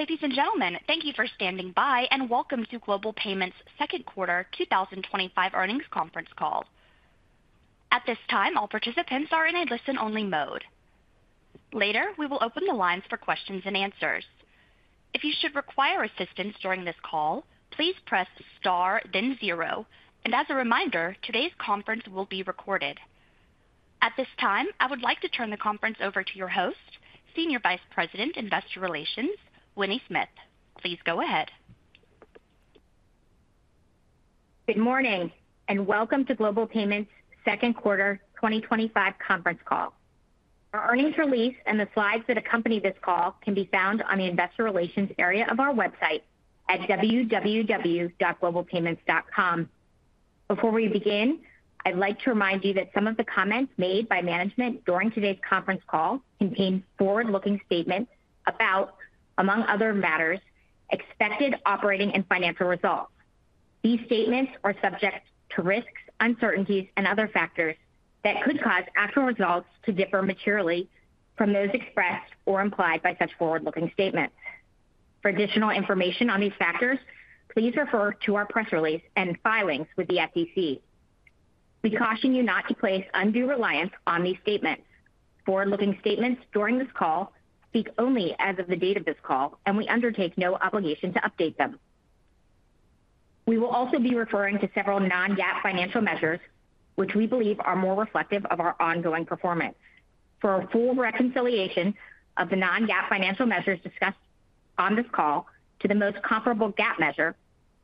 Ladies and gentlemen, thank you for standing by and welcome to Global Payments second quarter 2025 earnings conference call. At this time, all participants are in a listen-only mode. Later, we will open the lines for questions and answers. If you should require assistance during this call, please press star then zero. As a reminder, today's conference will be recorded. At this time, I would like to turn the conference over to your host, Senior Vice President Investor Relations, Winnie Smith. Please go ahead. Good morning and welcome to Global Payments second quarter 2025 conference call. Our earnings release and the slides that accompany this call can be found on the Investor Relations area of our website at www.globalpayments.com. Before we begin, I'd like to remind you that some of the comments made by management during today's conference call contain forward-looking statements about, among other matters, expected operating and financial results. These statements are subject to risks, uncertainties, and other factors that could cause actual results to differ materially from those expressed or implied by such forward-looking statements. For additional information on these factors, please refer to our press release and filings with the SEC. We caution you not to place undue reliance on these statements. Forward-looking statements during this call speak only as of the date of this call and we undertake no obligation to update them. We will also be referring to several non-GAAP financial measures which we believe are more reflective of our ongoing performance. For a full reconciliation of the non-GAAP financial measures discussed on this call to the most comparable GAAP measure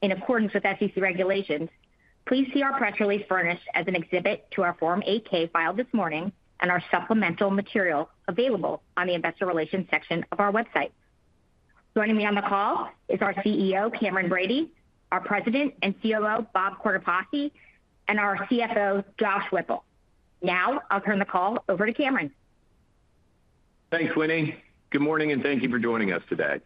in accordance with SEC regulations, please see our press release furnished as an exhibit to our Form 8-K filed this morning and our supplemental material available on the Investor Relations section of our website. Joining me on the call is our CEO Cameron Bready, our President and COO Bob Cortopassi, and our CFO Josh Whipple. Now I'll turn the call over to Cameron. Thanks, Winnie. Good morning and thank you for joining us today.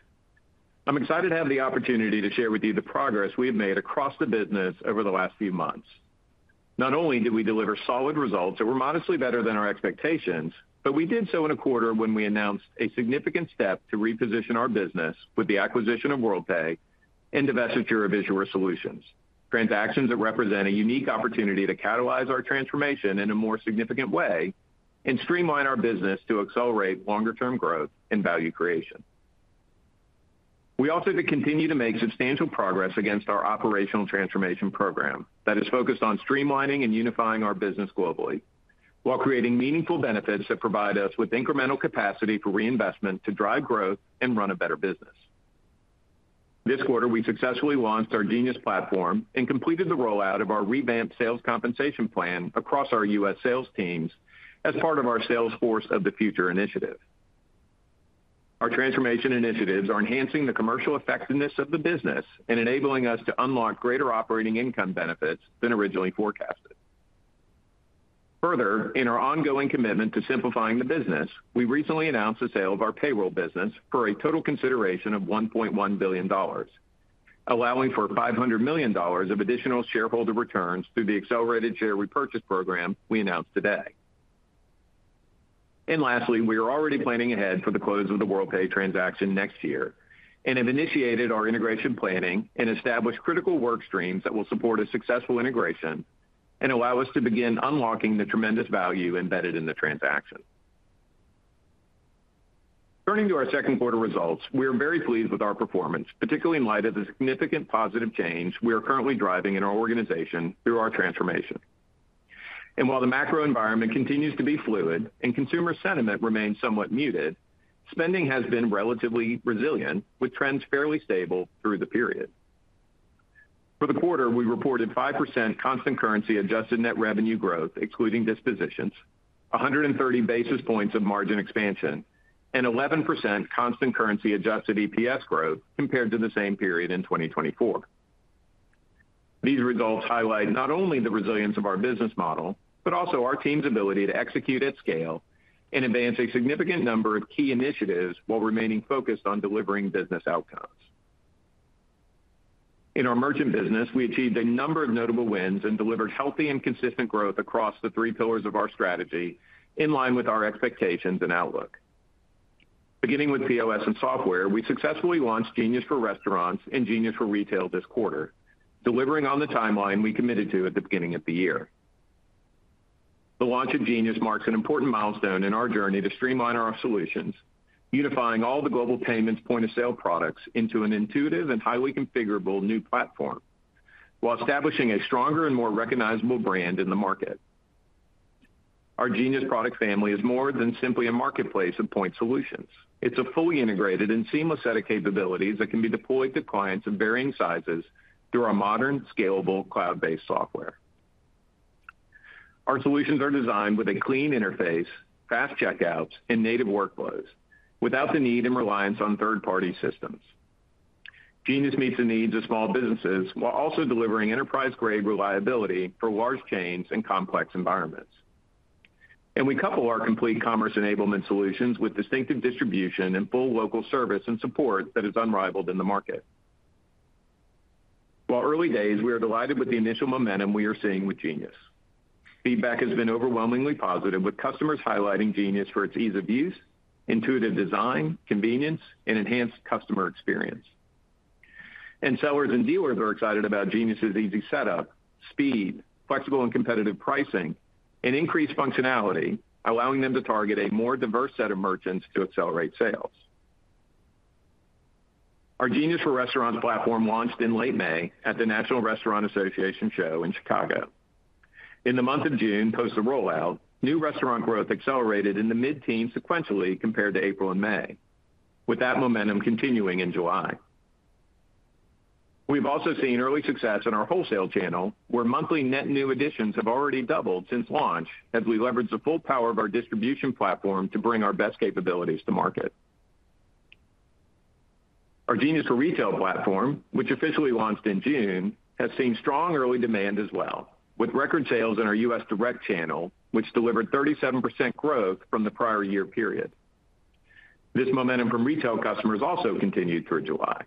I'm excited to have the opportunity to share with you the progress we have made across the business over the last few months. Not only did we deliver solid results that were modestly better than our expectations, but we did so in a quarter when we announced a significant step to reposition our business with the acquisition of Worldpay and divestiture of Issuer Solutions, transactions that represent a unique opportunity to catalyze our transformation in a more significant way and streamline our business to accelerate longer term growth and value creation. We also continue to make substantial progress against our Operational Transformation program that is focused on streamlining and unifying our business globally while creating meaningful benefits that provide us with incremental capacity for reinvestment to drive growth and run a better business. This quarter, we successfully launched our Genius platform and completed the rollout of our revamped sales compensation plan across our U.S. sales teams as part of our Sales Force of the Future initiative. Our transformation initiatives are enhancing the commercial effectiveness of the business and enabling us to unlock greater operating income benefits than originally forecasted. Further, in our ongoing commitment to simplifying the business, we recently announced the sale of our payroll business for a total consideration of $1.1 billion, allowing for $500 million of additional shareholder returns through the accelerated share repurchase program we announced today. Lastly, we are already planning ahead for the close of the Worldpay transaction next year and have initiated our integration planning and established critical work streams that will support a successful integration and allow us to begin unlocking the tremendous value embedded in the transaction. Turning to our second quarter results, we are very pleased with our performance, particularly in light of the significant positive change we are currently driving in our organization through our transformation, and while the macro environment continues to be fluid and consumer sentiment remains somewhat muted, spending has been relatively resilient with trends fairly stable through the period. For the quarter we reported 5% constant currency adjusted net revenue growth excluding dispositions, 130 basis points of margin expansion, and 11% constant currency adjusted EPS growth compared to the same period in 2024. These results highlight not only the resilience of our business model, but also our team's ability to execute at scale and advance a significant number of key initiatives while remaining focused on delivering business outcomes. In our merchant business, we achieved a number of notable wins and delivered healthy and consistent growth across the three pillars of our strategy in line with our expectations and outlook. Beginning with POS and software, we successfully launched Genius for Restaurants and Genius for Retail this quarter, delivering on the timeline we committed to at the beginning of the year. The launch of Genius marks an important milestone in our journey to streamline our solutions, unifying all the Global Payments point-of-sale products into an intuitive and highly configurable new platform while establishing a stronger and more recognizable brand in the market. Our Genius product family is more than simply a marketplace of point solutions. It's a fully integrated and seamless set of capabilities that can be deployed to clients of varying sizes through our modern, scalable, cloud-based software. Our solutions are designed with a clean interface, fast checkouts, and native workflows without the need and reliance on third-party systems. Genius meets the needs of small businesses while also delivering enterprise-grade reliability for large chains and complex environments, and we couple our complete commerce enablement solutions with distinctive distribution and full local service and support that is unrivaled in the market. While early days, we are delighted with the initial momentum we are seeing with Genius. Feedback has been overwhelmingly positive, with customers highlighting Genius for its ease of use, intuitive design, convenience, and enhanced customer experience. Sellers and dealers are excited about Genius's easy setup, speed, flexible and competitive pricing, and increased functionality, allowing them to target a more diverse set of merchants to accelerate sales. Our Genius for Restaurants platform launched in late May at the National Restaurant Association show in Chicago in the month of June. Post the rollout, new restaurant growth accelerated in the mid-teens sequentially compared to April and May, with that momentum continuing in July. We've also seen early success in our wholesale channel, where monthly net new additions have already doubled since launch as we leverage the full power of our distribution. Platform to bring our best capabilities to market. Our Genius for Retail platform, which officially launched in June, has seen strong early demand as well, with record sales in our U.S. direct channel, which delivered 37% growth from the prior year period. This momentum from retail customers also continued through July.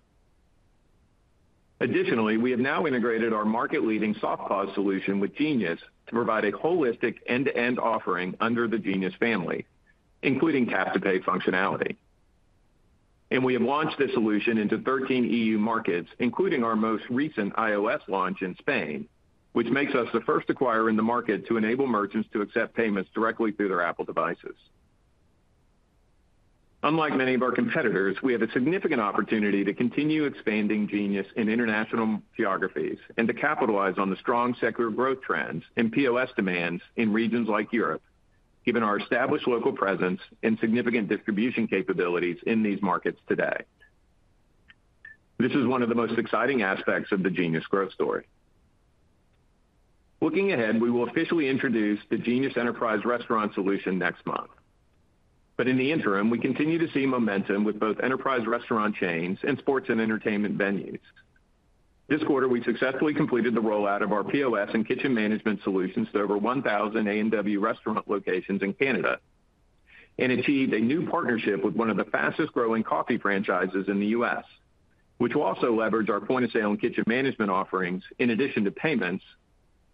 Additionally, we have now integrated our market-leading softPOS solution with Genius to provide a holistic end-to-end offering under the Genius family, including tap to pay functionality, and we have launched this solution into 13 EU markets, including our most recent iOS launch in Spain, which makes us the first acquirer in the market to enable merchants to accept payments directly through their Apple devices. Unlike many of our competitors, we have a significant opportunity to continue expanding Genius in international geographies and to capitalize on the strong secular growth trends and POS demands in regions like Europe. Given our established local presence and significant. Distribution capabilities in these markets today. This is one of the most exciting aspects of the Genius growth story. Looking ahead, we will officially introduce the Genius Enterprise Restaurant Solution next month, but in the interim, we continue to see momentum with both enterprise restaurant chains and sports and entertainment venues. This quarter, we successfully completed the rollout of our POS and kitchen management solutions to over 1,000 A&W restaurant locations in Canada and achieved a new partnership with one of the fastest growing coffee franchises in the U.S., which will also leverage our point-of-sale and kitchen management offerings in addition to payments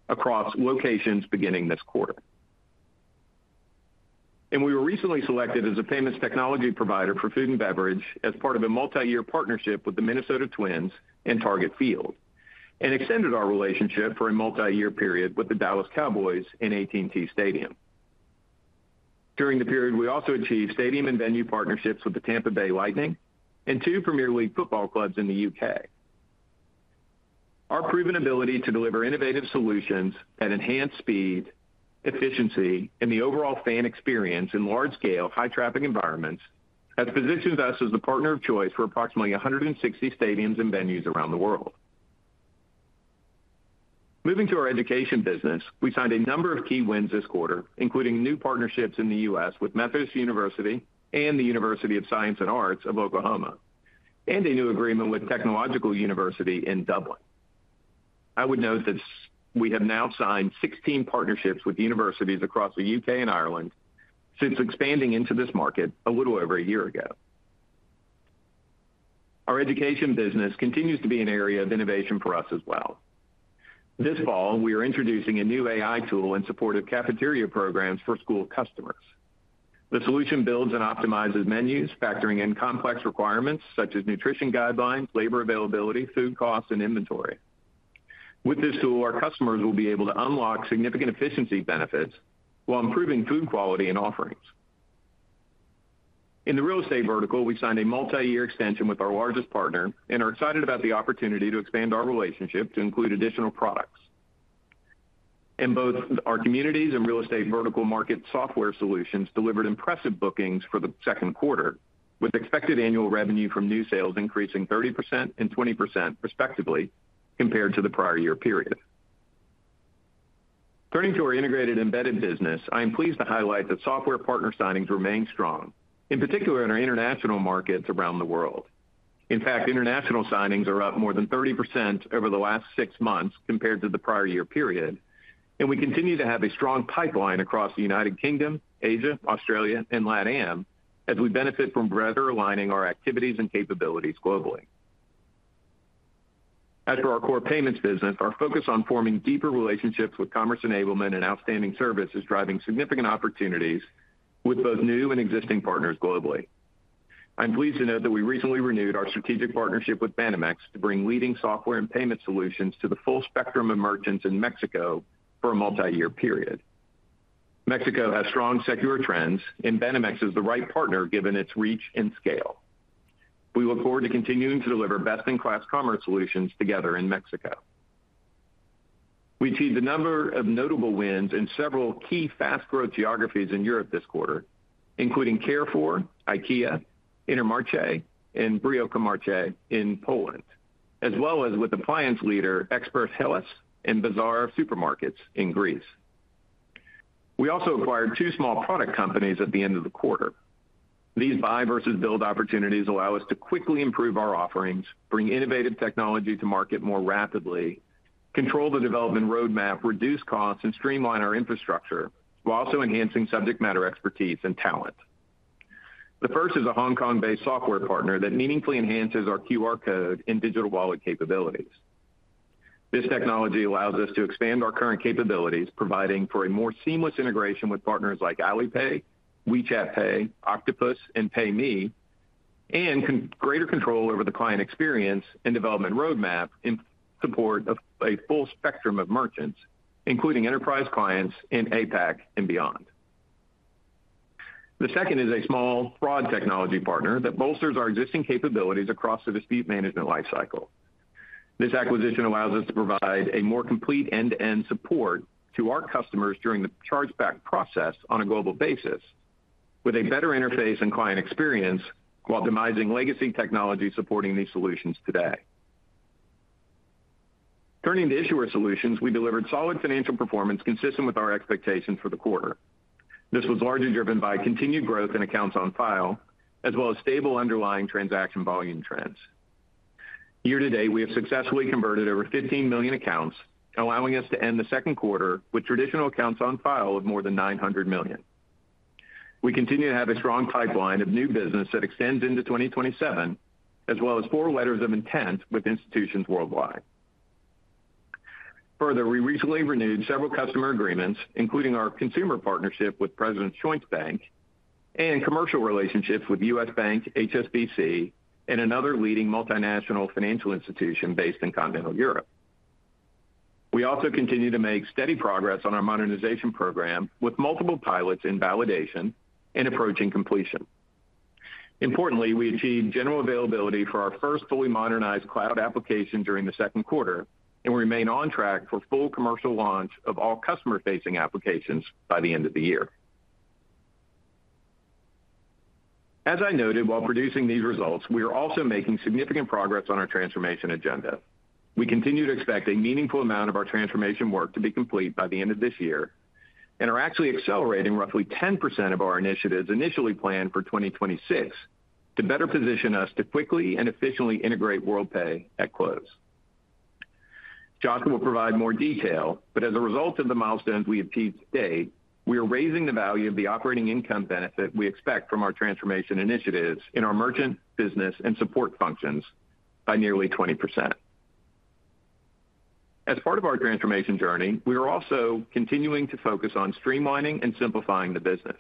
across locations beginning this quarter. We were recently selected as a payments technology provider for food and beverage as part of a multi-year partnership with the Minnesota Twins and Target Field, and extended our relationship for a multi-year period with the Dallas Cowboys and AT&T Stadium. During the period, we also achieved stadium and venue partnerships with the Tampa Bay Lightning and two Premier League football clubs in the U.K. Our proven ability to deliver innovative solutions at enhanced speed, efficiency, and the overall fan experience in large-scale, high-traffic environments has positioned us as the partner of choice for approximately 160 stadiums and venues around the world. Moving to our education business, we signed a number of key wins this quarter, including new partnerships in the U.S. with Memphis University and the University of Science and Arts of Oklahoma, and a new agreement with Technological University in Dublin. I would note that we have now signed 16 partnerships with universities across the U.K. and Ireland. Since expanding into this market a little over a year ago, our education business continues to be an area of innovation for us as well. This fall, we are introducing a new AI tool in support of cafeteria programs for school customers. The solution builds and optimizes menus, factoring in complex requirements such as nutrition guidelines, labor availability, food costs, and inventory. With this tool, our customers will be able to unlock significant efficiency benefits while improving food quality and offerings. In the real estate vertical, we've signed a multi-year extension with our largest partner and are excited about the opportunity to expand our relationship to include additional products and both our communities and real estate vertical market. Software solutions delivered impressive bookings for the second quarter with expected annual revenue from new sales increasing 30% and 20% respectively compared to the prior year period. Turning to our integrated embedded business, I am pleased to highlight that software partner signings remain strong, in particular in our international markets around the world. In fact, international signings are up more than 30% over the last six months compared to the prior year period, and we continue to have a strong pipeline across the United Kingdom, Asia, Australia, and LATAM as we benefit from better aligning our activities and capabilities globally. As for our core payments business, our focus on forming deeper relationships with commerce enablement and outstanding service is driving significant opportunities with both new and existing partners globally. I'm pleased to note that we recently renewed our strategic partnership with Banamex to bring leading software and payment solutions to the full spectrum of merchants in Mexico for a multi-year period. Mexico has strong secular trends, and Banamex is the right partner given its reach and scale. We look forward to continuing to deliver best-in-class commerce solutions together in Mexico. We achieved a number of notable wins in several key fast-growth geographies in Europe this quarter, including Care for IKEA, Intermarché, and Brio Comarche in Poland, as well as with appliance leader Expert Helles and Bazaar supermarkets in Greece. We also acquired two small product companies at the end of the quarter. These buy versus build opportunities allow us to quickly improve our offerings, bring innovative technology to market more rapidly, control the development roadmap, reduce costs, and streamline our infrastructure while also enhancing subject matter expertise and talent. The first is a Hong Kong-based software partner that meaningfully enhances our QR code and digital wallet capabilities. This technology allows us to expand our current capabilities, providing for a more seamless integration with partners like Alipay, WeChat Pay, Octopus, and PayMe, and greater control over the client experience and development roadmap in support of a full spectrum of merchants including enterprise clients in APAC and beyond. The second is a small fraud technology partner that bolsters our existing capabilities across the dispute management lifecycle. This acquisition allows us to provide a more complete end-to-end support to our customers during the chargeback process on a global basis with a better interface and client experience while demising legacy technology supporting these solutions. Today, turning to Issuer Solutions, we delivered solid financial performance consistent with our expectations for the quarter. This was largely driven by continued growth in accounts on file as well as stable underlying transaction volume trends. Year to date, we have successfully converted over 15 million accounts, allowing us to end the second quarter with traditional accounts on file of more than 900 million. We continue to have a strong pipeline of new business that extends into 2027 as well as four letters of intent with institutions worldwide. Further, we recently renewed several customer agreements including our consumer partnership with President's Joint Bank and commercial relationships with U.S. Bank, HSBC, and another leading multinational financial institution based in continental Europe. We also continue to make steady progress on our modernization program with multiple pilots in validation and approaching completion. Importantly, we achieved general availability for our first fully modernized cloud application during the second quarter and remain on track for full commercial launch of all customer-facing applications by the end of the year. As I noted, while producing these results, we are also making significant progress on our transformation agenda. We continue to expect a meaningful amount of our transformation work to be complete by the end of this year and are actually accelerating roughly 10% of our initiatives initially planned for 2026 to better position us to quickly and efficiently integrate Worldpay at close. Josh will provide more detail, but as a result of the milestones we achieved to date, we are raising the value of the operating income benefit we expect from our transformation initiatives in our merchant business and support functions by nearly 20% as part of our transformation journey. We are also continuing to focus on streamlining and simplifying the business.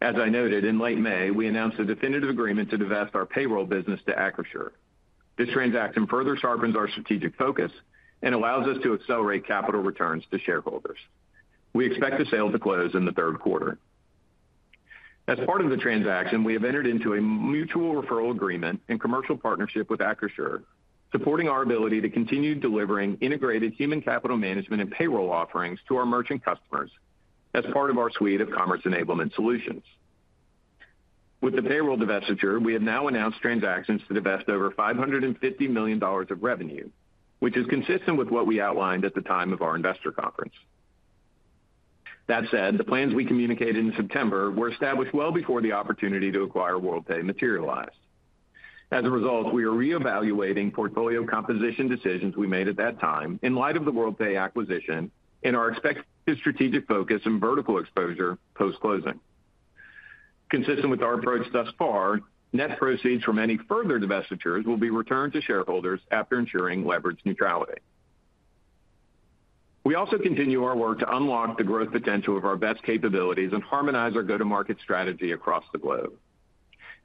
As I noted in late May, we announced a definitive agreement to divest our payroll business to Acrisure. This transaction further sharpens our strategic focus and allows us to accelerate capital returns to shareholders. We expect the sale to close in the third quarter. As part of the transaction, we have entered into a mutual referral agreement and commercial partnership with Acrisure, supporting our ability to continue delivering integrated human capital management and payroll offerings to our merchant customers as part of our suite of commerce enablement solutions. With the payroll divestiture, we have now announced transactions to divest over $550 million of revenue, which is consistent with what we outlined at the time of our investor conference. That said, the plans we communicated in September were established well before the opportunity to acquire Worldpay materialized. As a result, we are reevaluating portfolio composition decisions we made at that time in light of the Worldpay acquisition and our expected strategic focus and vertical exposure post closing. Consistent with our approach thus far, net proceeds from any further divestitures will be returned to shareholders after ensuring leverage neutrality. We also continue our work to unlock the growth potential of our best capabilities and harmonize our go-to-market strategy across the globe.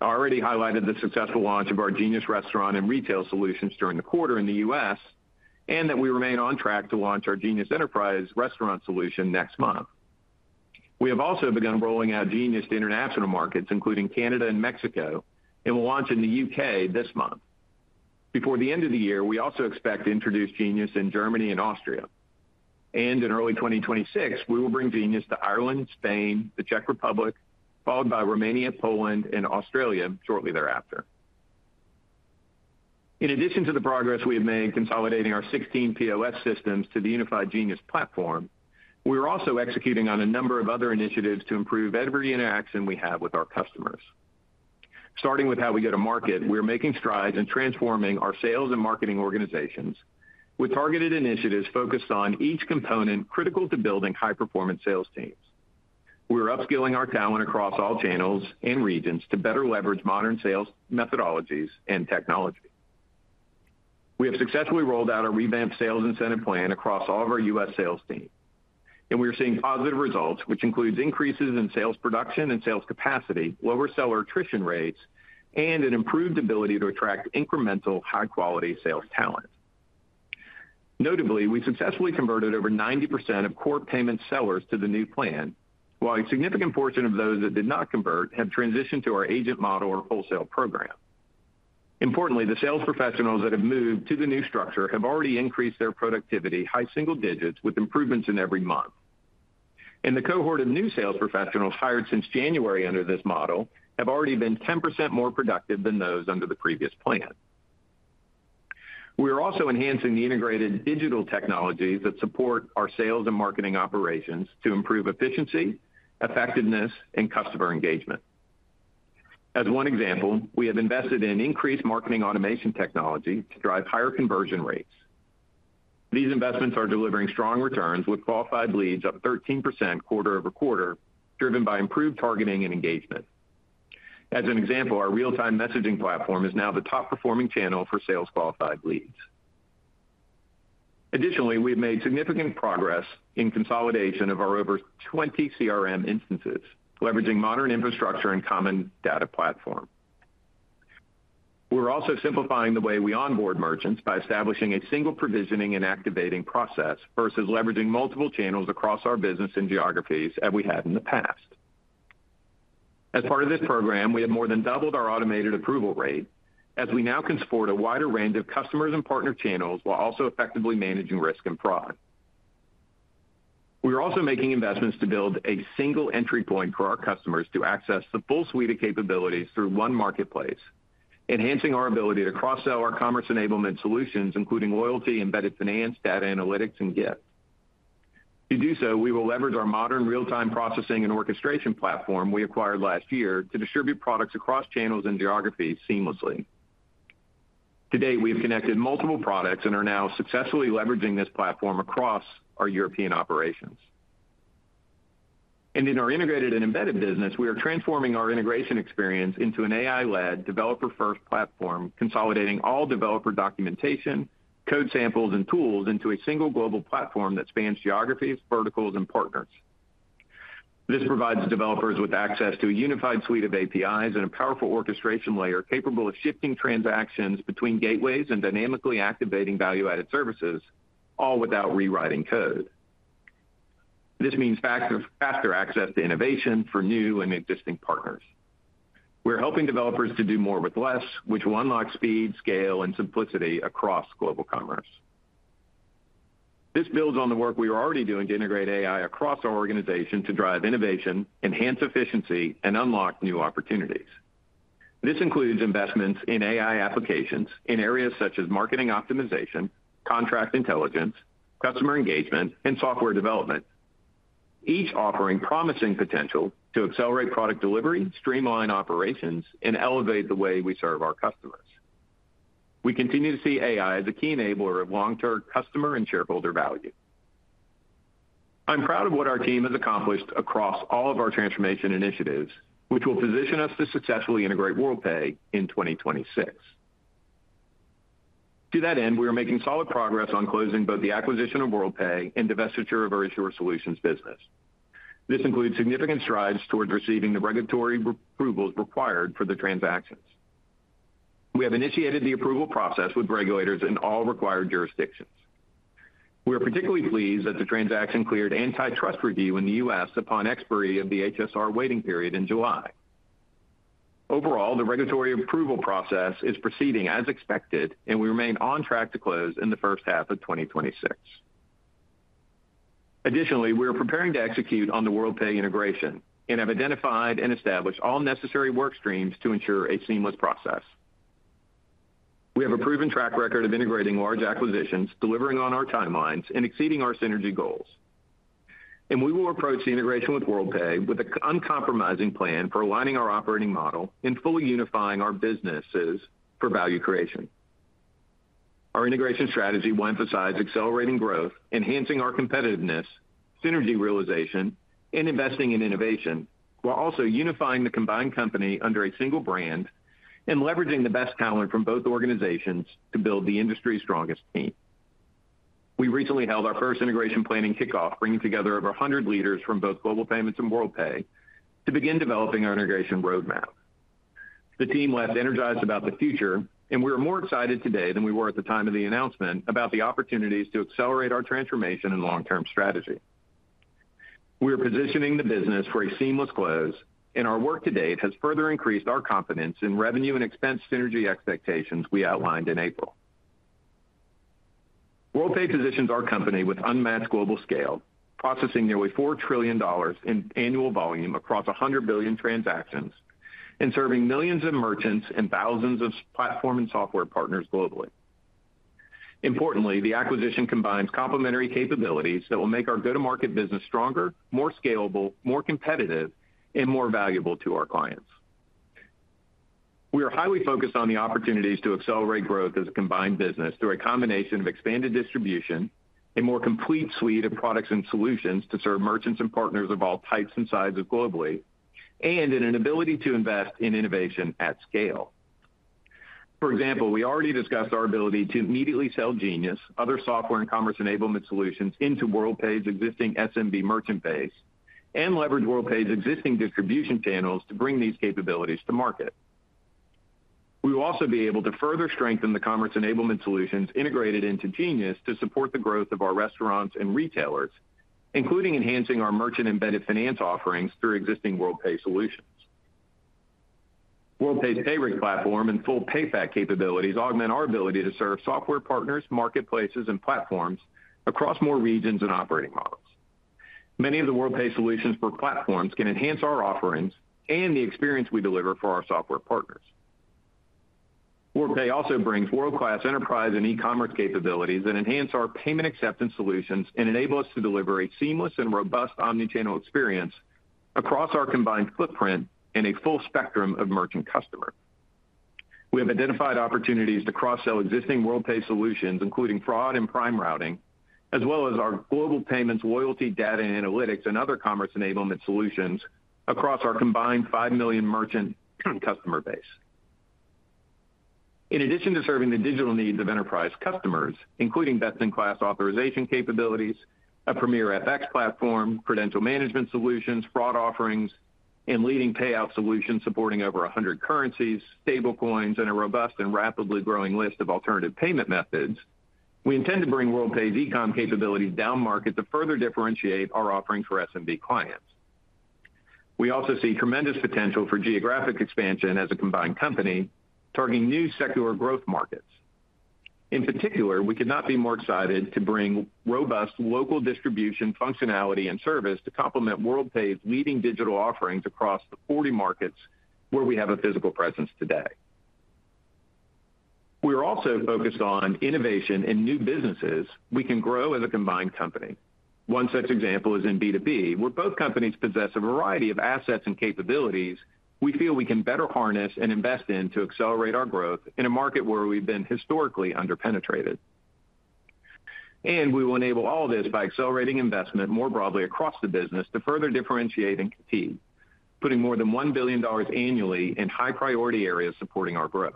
I already highlighted the successful launch of our Genius Restaurant and Retail solutions during the quarter in the U.S. and that we remain on track to launch our Genius Enterprise Restaurant solution next month. We have also begun rolling out Genius to international markets including Canada and Mexico, and will launch in the U.K. this month. Before the end of the year, we also expect to introduce Genius in Germany and Austria, and in early 2026 we will bring Genius to Ireland, Spain, the Czech Republic, followed by Romania, Poland, and Australia shortly thereafter. In addition to the progress we have made consolidating our 16 POS systems to the unified Genius platform, we are also executing on a number of other initiatives to improve every interaction we have with our customers, starting with how we go to market. We are making strides in transforming our sales and marketing organizations with targeted initiatives focused on each component critical to building high-performance sales teams. We're upskilling our talent across all channels and regions to better leverage modern sales methodologies and technology. We have successfully rolled out a revamped sales incentive plan across all of our U.S. sales team, and we are seeing positive results, which includes increases in sales production and sales capacity, lower seller attrition rates, and an improved ability to attract incremental high-quality sales talent. Notably, we successfully converted over 90% of core payment sellers to the new plan, while a significant portion of those that did not convert have transitioned to our agent model or wholesale program. Importantly, the sales professionals that have moved to the new structure have already increased their productivity high single digits, with improvements in every month, and the cohort of new sales professionals hired since January under this model have already been 10% more productive than those under the previous plan. We are also enhancing the integrated digital technologies that support our sales and marketing operations to improve efficiency, effectiveness, and customer engagement. As one example, we have invested in increased marketing automation technology to drive higher conversion rates. These investments are delivering strong returns, with qualified leads up 13% quarter-over-quarter, driven by improved targeting and engagement. As an example, our real-time messaging platform is now the top-performing channel for sales qualified leads. Additionally, we've made significant progress in consolidation of our over 20 CRM instances, leveraging modern infrastructure and Common Data Platform. We're also simplifying the way we onboard merchants by establishing a single provisioning and activating process versus leveraging multiple channels across our business and geographies as we had in the past. As part of this program, we have more than doubled our automated approval rate, as we now can support a wider range of customers and partner channels while also effectively managing risk and fraud. We are also making investments to build a single entry point for our customers to access the full suite of capabilities through one Marketplace, enhancing our ability to cross-sell our commerce enablement solutions, including loyalty, embedded finance, data analytics, and gift. To do so, we will leverage our modern real-time processing and orchestration platform we acquired last year to distribute products across channels and geographies seamlessly. Today we have connected multiple products and are now successfully leveraging this platform across our European operations and in our integrated and embedded business. We are transforming our integration experience into an AI-led, developer-first platform, consolidating all developer documentation, code samples, and tools into a single global platform that spans geographies, verticals, and partners. This provides developers with access to a unified suite of APIs and a powerful orchestration layer capable of shifting transactions between gateways and dynamically activating value-added services, all without rewriting code. This means faster access to innovation for new and existing partners. We're helping developers to do more with less, which will unlock speed, scale, and simplicity across global commerce. This builds on the work we are already doing to integrate AI across our organization to drive innovation, enhance efficiency, and unlock new opportunities. This includes investments in AI applications in areas such as marketing optimization, contract intelligence, customer engagement, and software development, each offering promising potential to accelerate product delivery, streamline operations, and elevate the way we serve our customers. We continue to see AI as a key enabler of long-term customer and shareholder value. I'm proud of what our team has accomplished across all of our transformation initiatives, which will position us to successfully integrate Worldpay in 2026. To that end, we are making solid progress on closing both the acquisition of. Worldpay and divestiture of our Issuer Solutions business. This includes significant strides towards receiving the regulatory approvals required for the transactions. We have initiated the approval process with regulators in all required jurisdictions. We are particularly pleased that the transaction cleared antitrust review in the U.S. upon expiry of the HSR waiting period in July. Overall, the regulatory approval process is proceeding as expected, and we remain on track to close in the first half of 2026. Additionally, we are preparing to execute on the Worldpay integration and have identified and established all necessary work streams to ensure a seamless process. We have a proven track record of integrating large acquisitions, delivering on our timelines, and exceeding our synergy goals, and we will approach the integration with Worldpay with an uncompromising plan for aligning our operating model and fully unifying our businesses for value creation. Our integration strategy will emphasize accelerating growth, enhancing our competitiveness, synergy realization, and investing in innovation while also unifying the combined company under a single brand and leveraging the best talent from both organizations to build the industry's strongest team. We recently held our first integration planning kickoff, bringing together over 100 leaders from both Global Payments and Worldpay to begin developing our integration roadmap. The team left energized about the future, and we are more excited today than we were at the time of the announcement about the opportunities to accelerate our transformation and long-term strategy. We are positioning the business for a seamless close, and our work to date has further increased our confidence in revenue and expense synergy expectations we outlined in April. Worldpay positions our company with unmatched global scale, processing nearly $4 trillion in annual volume across 100 billion transactions and serving millions of merchants and thousands of platform and software partners globally. Importantly, the acquisition combines complementary capabilities that will make our go-to-market business stronger, more scalable, more competitive, and more valuable to our clients. We are highly focused on the opportunities to accelerate growth as a combined business through a combination of expanded distribution, a more complete suite of products and solutions to serve merchants and partners of all types and sizes globally, and an ability to invest in innovation at scale. For example, we already discussed our ability to immediately sell Genius, other software and commerce enablement solutions into Worldpay's existing SMB merchant base and leverage Worldpay's existing distribution channels to bring these capabilities to market. We will also be able to further strengthen the commerce enablement solutions integrated into Genius to support the growth of our restaurants and retailers, including enhancing our merchant embedded finance offerings through existing Worldpay solutions. Worldpay's Payrix platform and full payback capabilities augment our ability to serve software partners, marketplaces, and platforms across more regions and operating models. Many of the Worldpay solutions for platforms can enhance our offerings and the experience we deliver for our software partners. Worldpay also brings world-class enterprise and e-commerce capabilities that enhance our payment acceptance solutions and enable us to deliver a seamless and robust omnichannel experience across our combined footprint and a full spectrum of merchant customers. We have identified opportunities to cross-sell existing Worldpay solutions including fraud and prime routing as well as our Global Payments, loyalty, data analytics, and other commerce enablement solutions across our combined 5 million merchant customer base. In addition to serving the digital needs of enterprise customers, including best-in-class authorization capabilities, a premier FX platform, credential management solutions, fraud offerings, and leading payout solutions supporting over 100 currencies, stablecoins, and a robust and rapidly growing list of alternative payment methods, we intend to bring Worldpay e-com capabilities down market to further differentiate our offering for SMB clients. We also see tremendous potential for geographic expansion as a combined company targeting new sector growth markets. In particular, we could not be more excited to bring robust local distribution functionality and service to complement Worldpay's leading digital offerings across the 40 markets where we have a physical presence today. We are also focused on innovation and new businesses we can grow as a combined company. One such example is in B2B where both companies possess a variety of assets and capabilities we feel we can better harness and invest in to accelerate our growth in a market where we've been historically underpenetrated. We will enable all this by accelerating investment more broadly across the business to further differentiate and compete, putting more than $1 billion annually in high priority areas supporting our growth.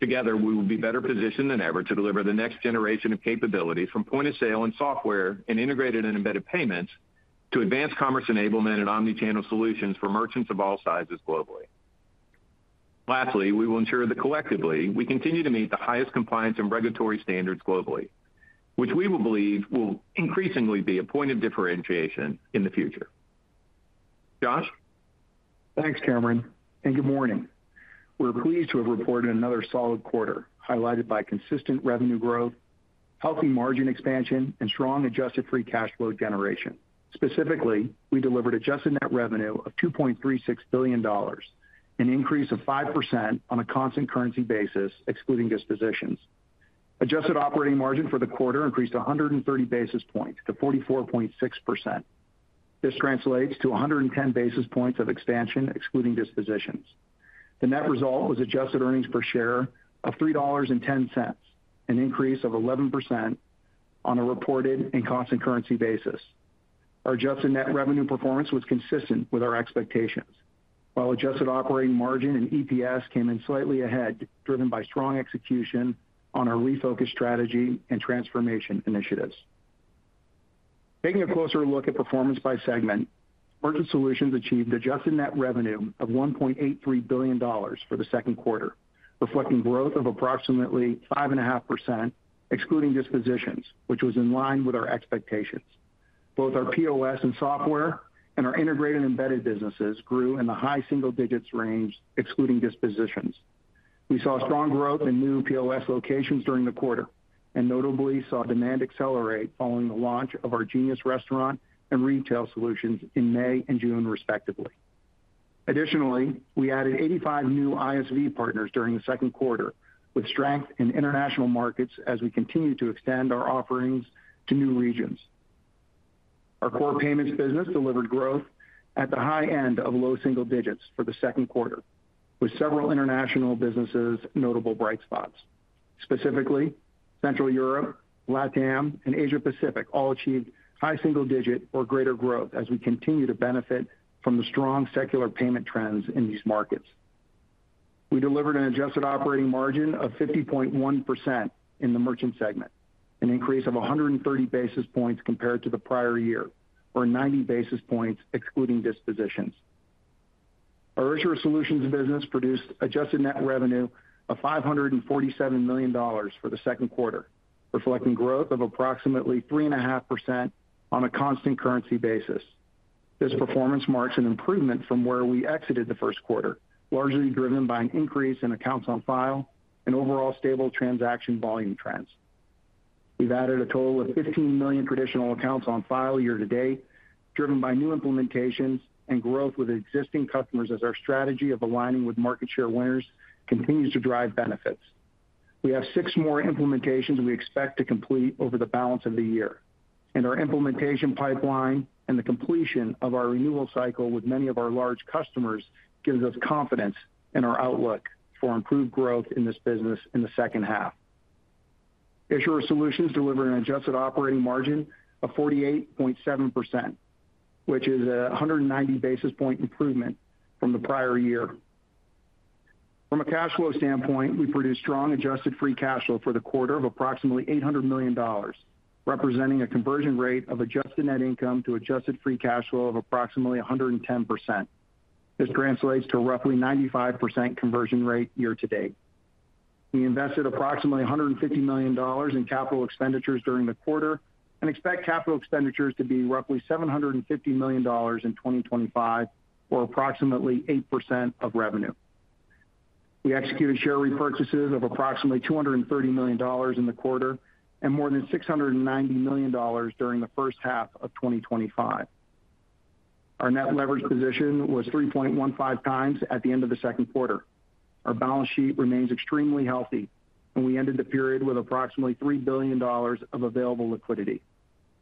Together, we will be better positioned than ever to deliver the next generation of capability from point of sale and software and integrated and embedded payments to advanced commerce enablement and omnichannel solutions for merchants of all sizes globally. Lastly, we will ensure that collectively we continue to meet the highest compliance and regulatory standards globally, which we believe will increasingly be a point of differentiation in the future. Josh. Thanks Cameron, and good morning. We're pleased to have reported another solid quarter highlighted by consistent revenue growth, healthy margin expansion, and strong adjusted free cash flow generation. Specifically, we delivered adjusted net revenue of $2.36 billion, an increase of 5% on a constant currency basis excluding dispositions. Adjusted operating margin for the quarter increased 130 basis points to 44.6%. This translates to 110 basis points of expansion excluding dispositions. The net result was adjusted earnings per share of $3.10, an increase of 11% on a reported and constant currency basis. Our adjusted net revenue performance was consistent with our expectations, while adjusted operating margin and EPS came in slightly ahead, driven by strong execution on our refocused strategy and transformation initiatives. Taking a closer look at performance by segment, our Solutions segment achieved adjusted net revenue of $1.83 billion for the second quarter, reflecting growth of approximately 5.5% excluding dispositions, which was in line with our expectations. Both our POS and software and our integrated embedded businesses grew in the high single digits range excluding dispositions. We saw strong growth in new POS locations during the quarter and notably saw demand accelerate following the launch of our Genius Restaurant and retail solutions in May and June, respectively. Additionally, we added 85 new ISV partners during the second quarter with strength in international markets as we continue to extend our offerings to new regions. Our core payments business delivered growth at the high end of low single digits for the second quarter with several international businesses notable bright spots. Specifically, Central Europe, LATAM, and Asia Pacific all achieved high single digit or greater growth as we continue to benefit from the strong secular payment trends in these markets. We delivered an adjusted operating margin of 50.1% in the Merchant segment, an increase of 130 basis points compared to the prior year or 90 basis points excluding dispositions. Our Solutions business produced adjusted net revenue of $547 million for the second quarter, reflecting growth of approximately 3.5% on a constant currency basis. This performance marks an improvement from where we exited the first quarter, largely driven by an increase in accounts on file and overall stable transaction volume trends. We've added a total of 15 million traditional accounts on file year to date, driven by new implementations and growth with existing customers, as our strategy of aligning with market share winners continues to drive benefits. We have six more implementations we expect to complete over the balance of the year, and our implementation pipeline and the completion of our renewal cycle with many of our large customers gives us confidence in our outlook for improved growth in this business in the second half. Issuer Solutions delivered an adjusted operating margin of 48.7%, which is a 190 basis point improvement from the prior year. From a cash flow standpoint, we produced strong adjusted free cash flow for the quarter of approximately $800 million, representing a conversion rate of adjusted net income to adjusted free cash flow of approximately 110%. This translates to roughly 95% conversion rate year to date. We invested approximately $150 million in capital expenditures during the quarter and expect capital expenditures to be roughly $750 million in 2025, or approximately 8% of revenue. We executed share repurchases of approximately $230 million in the quarter and more than $690 million during the first half of 2025. Our net leverage position was 3.15x at the end of the second quarter. Our balance sheet remains extremely healthy and we ended the period with approximately $3. Billion of available liquidity.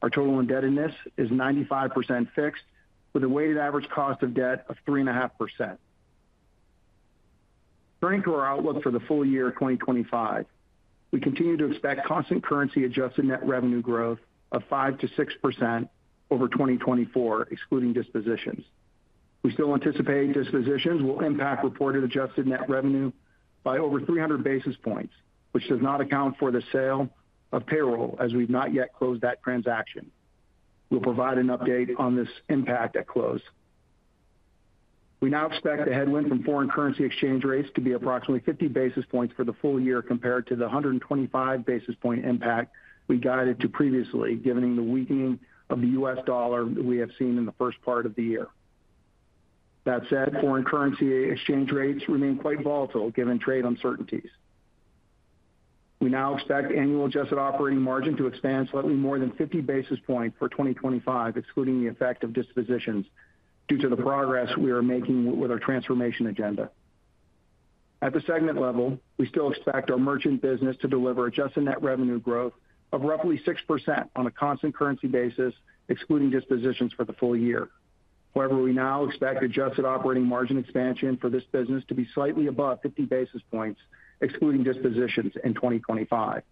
Our total indebtedness is 95% fixed with a weighted average cost of debt of 3.5%. Turning to our outlook for the full year 2025, we continue to expect constant currency adjusted net revenue growth of 5%-6% over 2024, excluding dispositions. We still anticipate dispositions will impact reported adjusted net revenue by over 300 basis points, which does not account for the sale of payroll as we've not yet closed that transaction. We'll provide an update on this impact at close. We now expect the headwind from foreign currency exchange rates to be approximately 50 basis points for the full year compared to the 125 basis point impact we guided to previously given the weakening of the U.S. Dollar we have seen in the first part of the year. That said, foreign currency exchange rates remain quite volatile given trade uncertainties. We now expect annual adjusted operating margin to expand slightly more than 50 basis points for 2025 excluding the effect of dispositions. Due to the progress we are making with our transformation agenda at the segment level, we still expect our merchant business to deliver adjusted net revenue growth of roughly 6% on a constant currency basis excluding dispositions for the full year. However, we now expect adjusted operating margin expansion for this business to be slightly above 50 basis points excluding dispositions in 2025.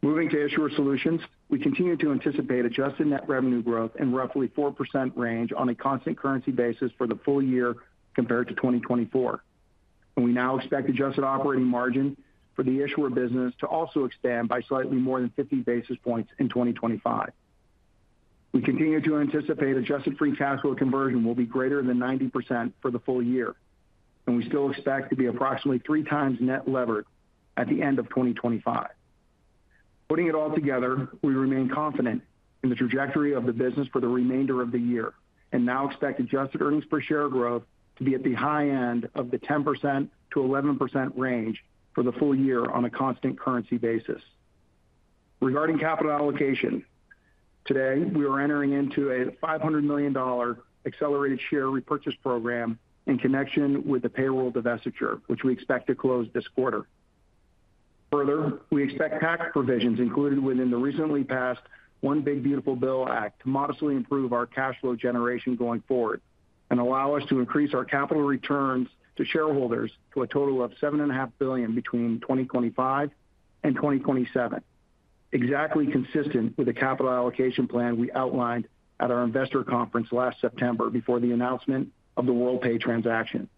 Moving to Issuer Solutions, we continue to anticipate adjusted net revenue growth in roughly 4% range on a constant currency basis for the full year compared to 2024, and we now expect adjusted operating margin for the issuer business to also expand by slightly more than 50 basis points in 2025. We continue to anticipate adjusted free cash flow conversion will be greater than 90% for the full year and we still expect to be approximately 3x net levered at the end of 2025. Putting it all together, we remain confident in the trajectory of the business for the remainder of the year and now expect adjusted earnings per share growth to be at the high end of the 10%-11% range for the full year on a constant currency basis. Regarding capital allocation, today we are entering into a $500 million accelerated share repurchase program in connection with the payroll divestiture which we expect to close this quarter. Further, we expect tax provisions included within the recently passed One Big Beautiful Bill act to modestly improve our cash flow generation going forward and allow us to increase our capital returns to shareholders to a total of $7.5 billion between 2025 and 2027, exactly consistent with the capital allocation plan we outlined at our investor conference last September before the announcement of the Worldpay transaction.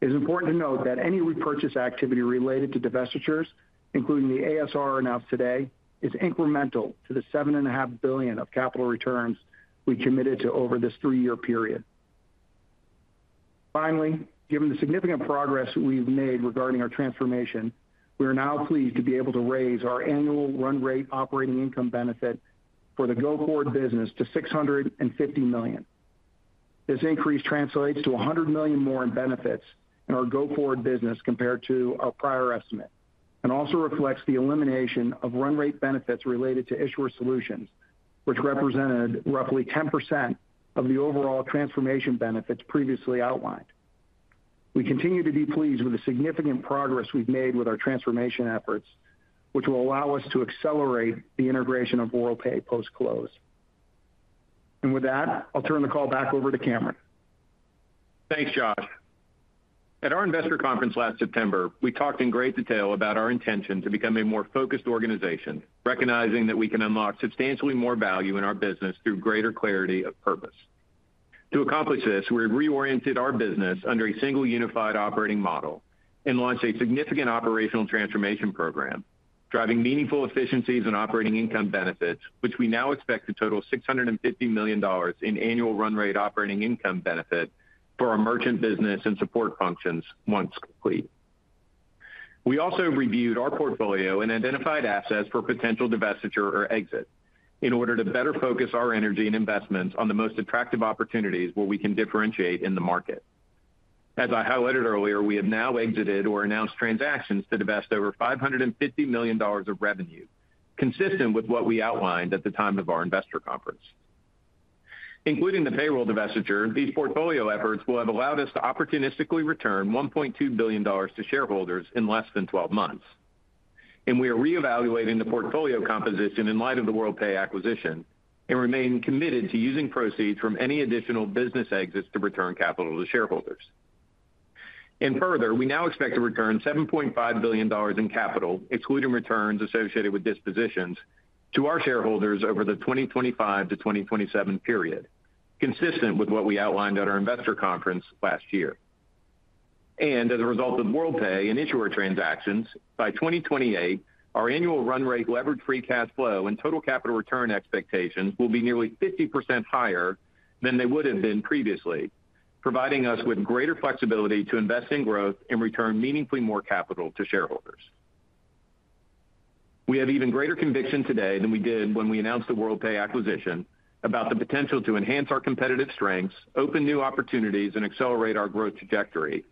It is important to note that any repurchase activity related to divestitures, including the ASR announced today, is incremental to the. $7.5 billion of capital. Returns we committed to over this three-year period. Finally, given the significant progress we've made regarding our transformation, we are now pleased to be able to raise our annual run-rate operating income benefit for the go-forward business to $650 million. This increase translates to $100 million more in benefits in our go-forward business compared to our prior estimate and also reflects the elimination of run-rate benefits related to Issuer Solutions, which represented roughly 10% of the overall transformation benefits previously outlined. We continue to be pleased with the significant progress we've made with our transformation efforts, which will allow us to accelerate the integration of Worldpay post-close, and with that I'll turn the call back over to Cameron. Thanks, Josh. At our investor conference last September, we talked in great detail about our intention to become a more focused organization, recognizing that we can unlock substantially more value in our business through greater clarity of purpose. To accomplish this, we reoriented our business under a single unified operating model and launched a significant operational transformation program, driving meaningful efficiencies and operating income benefits, which we now expect to total $650 million in annual run-rate operating income benefit for our merchant business and support functions. Once complete, we also reviewed our portfolio and identified assets for potential divestiture or exit in order to better focus our energy and investments on the most attractive opportunities where we can differentiate in the market. As I highlighted earlier, we have now exited or announced transactions to divest over $550 million of revenue, consistent with what we outlined at the time of our investor conference, including the payroll divestiture. These portfolio efforts will have allowed us to opportunistically return $1.2 billion to shareholders in less than 12 months. We are reevaluating the portfolio composition in light of the Worldpay acquisition and remain committed to using proceeds from any additional business exits to return capital to shareholders. Further, we now expect to return $7.5 billion in capital, excluding returns associated with dispositions, to our shareholders over the 2025-2027 period, consistent with what we outlined at our investor conference last year. As a result of Worldpay and Issuer Solutions transactions, by 2028, our annual run-rate, leverage, free cash flow, and total capital return expectations will be nearly 50% higher than they would have been previously, providing us with greater flexibility to invest in growth and return meaningfully more capital to shareholders. We have even greater conviction today than we did when we announced the Worldpay acquisition about the potential to enhance our competitive strengths, open new opportunities, and accelerate our growth trajectory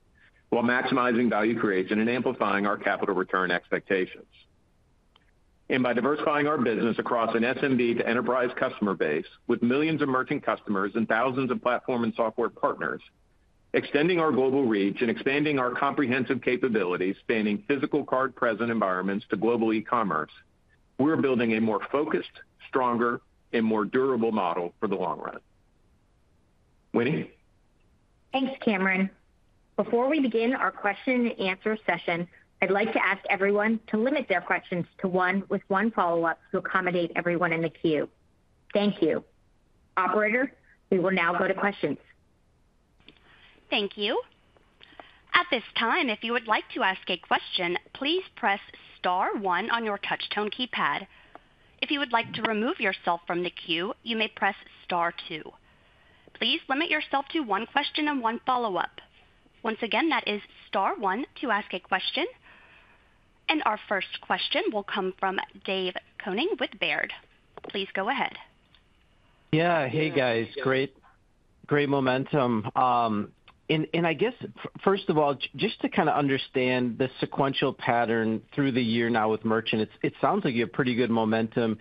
while maximizing value creation and amplifying our capital return expectations. By diversifying our business across an SMB to enterprise customer base, with millions of merchant customers and thousands of platform and software partners, extending our global reach, and expanding our comprehensive capabilities spanning physical card-present environments to global e-commerce, we're building a more focused, stronger, and more durable model for the long run. Winnie. Thanks, Cameron. Before we begin our question and answer session, I'd like to ask everyone to limit their questions to one with one follow-up to accommodate everyone in the queue. Thank you, operator. We will now go to questions. Thank you. At this time, if you would like to ask a question, please press star one on your touchtone keypad. If you would like to remove yourself from the queue, you may press Star two. Please limit yourself to one question and one follow up. Once again, that is star one to ask a question, and our first question will come from Dave Koning with Baird. Please go ahead. Yeah, hey guys. Great momentum. First of all, just to kind of understand the sequential pattern through the year, now with Merchant, it sounds like you have pretty good momentum.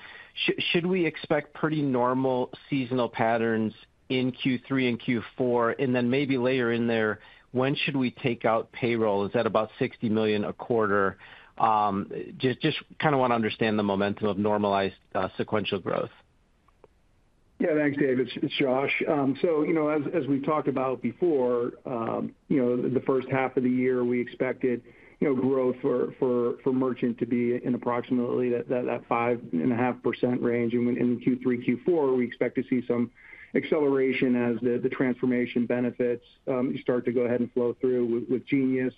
Should we see pretty normal seasonal patterns in Q3 and Q4, and then maybe layer in there, when should we take out payroll? Is that about $60 million a quarter? Just want to understand the momentum of normalized sequential growth. Yeah, thanks David, it's Josh. As we talked about before, the first half of the year we expected growth for Merchant to be in approximately that 5.5% range. In Q3, Q4 we expect to see acceleration as the transformation benefits start to go ahead and flow through with Genius.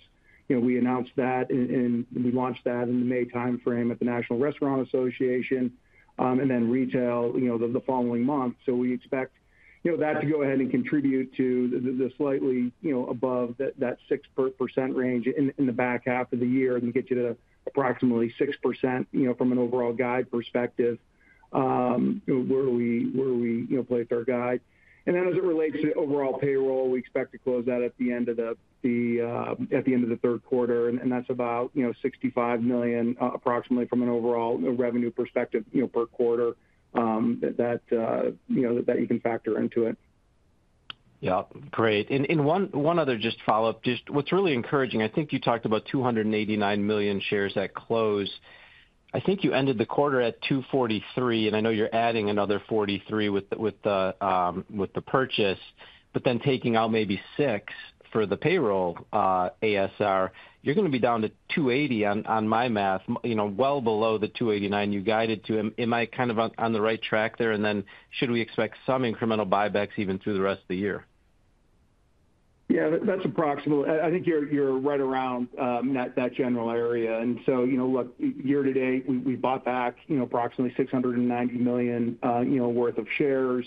We announced that and we launched that in the May time frame at the National Restaurant Association and then retail the following month. We expect that to go ahead and contribute to the slightly above that 6% range in the back half of the year and get you to approximately 6% from an overall guide perspective where we place our guide. As it relates to overall payroll, we expect to close that at the end of the third quarter and that's about $65 million approximately from an overall revenue perspective per quarter that you can factor into it. Yeah. Great. One other just follow up, just what's really encouraging. I think you talked about 289 million shares at close. I think you ended the quarter at 243 million and I know you're adding another 43 million with the purchase, but then taking out maybe 6 million for the payroll ASR. You're going to be down to 280 million on my math, you know, well below the 289 million you guided to. Am I kind of on the right track there? Should we expect some incremental buybacks even through the rest of the year? Yeah, that's approximately. I think you're right around that general area. You know, look, year to date, we bought back, you know, approximately. $690 million worth of shares,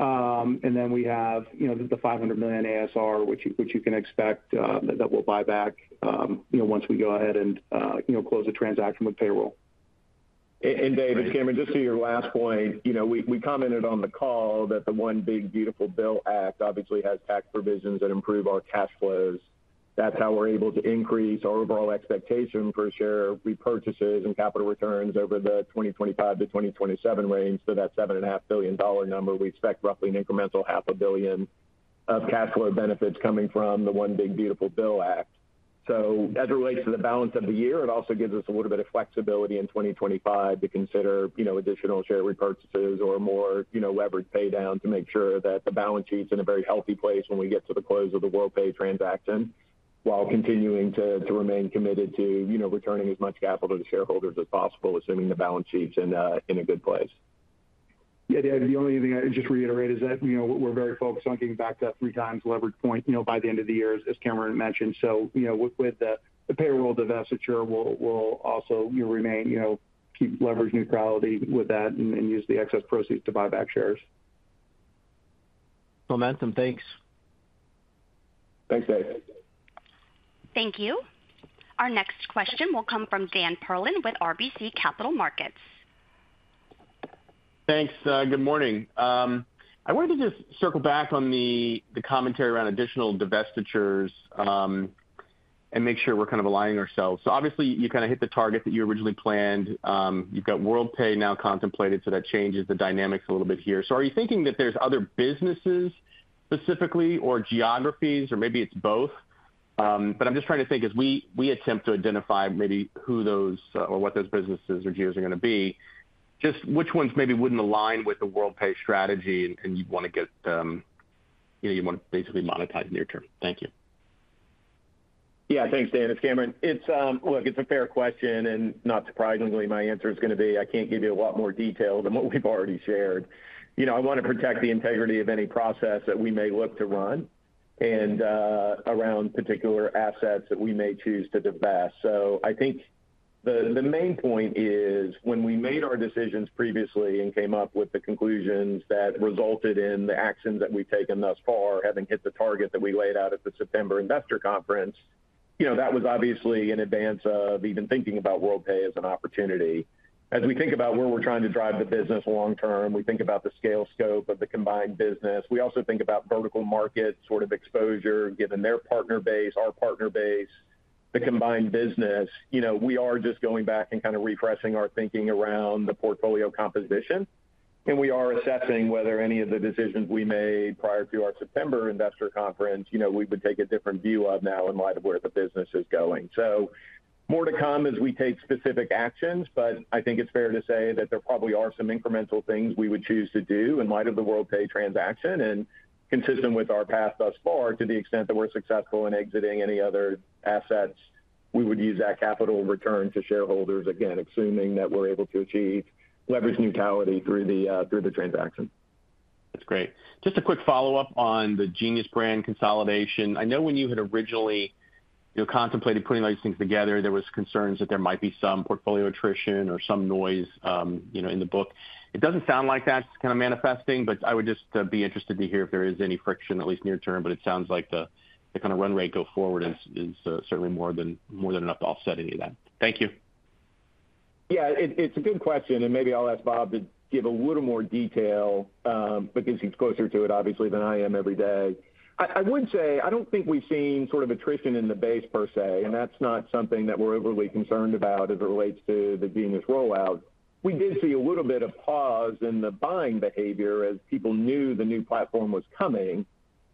and then we have the $500 million ASR, which you can expect that we'll buy back once. We go ahead and close the transaction with payroll. David, Cameron, just to your last point, you know, we commented on the call that the One Big Beautiful Bill Act obviously has tax provisions that improve our cash flows. That's how we're able to increase our overall expectation for share repurchases and capital returns over the 2025-2027 range. For that $7.5 billion number, we expect roughly an incremental $500 million of cash flow benefits coming from the One Big Beautiful Bill Act. As it relates to the balance of the year, it also gives us a little bit of flexibility in 2025 to consider additional share repurchases or more leverage pay down to make sure that the balance sheet's in a very healthy place when we get to the close of the Worldpay transaction while continuing to remain committed to returning as much capital to shareholders as possible, assuming the balance sheet's in a good place. Yeah, the only thing I just reiterate is that, you know, we're very focused on getting back to that 3x leverage point, you know, by the end of the year. As Cameron mentioned, with the payroll divestiture, we'll also remain, you know, keep leverage neutrality with that and use the excess proceeds to buy back shares. Momentum.Thanks. Thanks, Dave. Thank you. Our next question will come from Dan Perlin with RBC Capital Markets. Thanks. Good morning. I wanted to just circle back on the commentary around additional divestitures and make sure we're kind of aligning ourselves. Obviously, you kind of hit the target that you originally planned. You've got Worldpay now contemplated. That changes the dynamics a little bit here. Are you thinking that there's other businesses specifically or geographies or maybe it's both? I'm just trying to think as we attempt to identify maybe who those. What those businesses or GEOs are. Going to be just which ones maybe wouldn't align with the Worldpay strategy. You want to get, you know, you want to basically monetize near term. Thank you. Yeah, thanks Dan. It's Cameron. It's. Look, it's a fair question and not surprisingly my answer is going to be. I can't give you a lot more detail than what we've already shared. You know, I want to protect the integrity of any process that we may look to run around particular assets that we may choose to divest. I think the main point is when we made our decisions previously and came up with the conclusions that resulted in the actions that we've taken thus far, having hit the target that we laid out at the September investor conference. You know, that was obviously in advance of even thinking about Worldpay as an opportunity. As we think about where we're trying to drive the business long term, we think about the scale and scope of the combined business. We also think about vertical market exposure given their partner base, our partner base, the combined business, we are just going back and kind of refreshing our thinking around the portfolio composition, and we are assessing whether any. f the decisions we made prior to our September investor conference, we would take a different view of now in light of where the business is going. More to come as we take specific actions. I think it's fair to say that there probably are some incremental things we would choose to do in light of the Worldpay transaction and consistent. With our path thus far, to the extent that we're successful in exiting any other assets, we would use that capital return to shareholders, again, assuming that we're able to achieve leverage neutrality through the through the transaction. That's great. Just a quick follow-up on the Genius brand consolidation. I know when you had originally contemplated putting those things together, there were concerns that there might be some portfolio attrition or some noise in the book. It doesn't sound like that is manifesting, but I would just be interested to hear if there is any friction. At least near term. It sounds like the kind of run-rate go forward is certainly more than enough to offset any of that. Thank you. Yeah, it's a good question, and maybe I'll ask Bob to give a little more detail because he's closer to it, obviously, than I am every day. I would say I don't think we've seen sort of attrition in the base per se, and that's not something that we're overly concerned about as it relates to the Genius rollout. We did see a little bit of pause in the buying behavior as people knew the new platform was coming.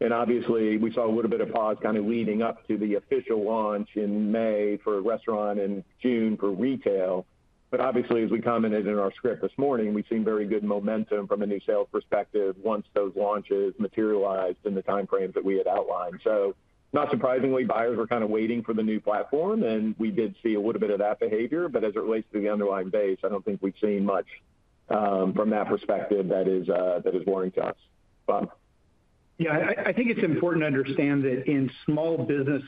Obviously, we saw a little bit of pause kind of leading up to the official launch in May for restaurant, in June for retail. As we commented in our this morning, we've seen very good momentum from a new sales perspective once those launches materialized in the timeframes that we had outlined. Not surprisingly, buyers were kind of waiting for the new platform, and we did see a little bit of that behavior as it relates to the underlying base, I don't think we've seen much from that perspective that is worrying to us. Bob. Yeah, I think it's important to understand that in small business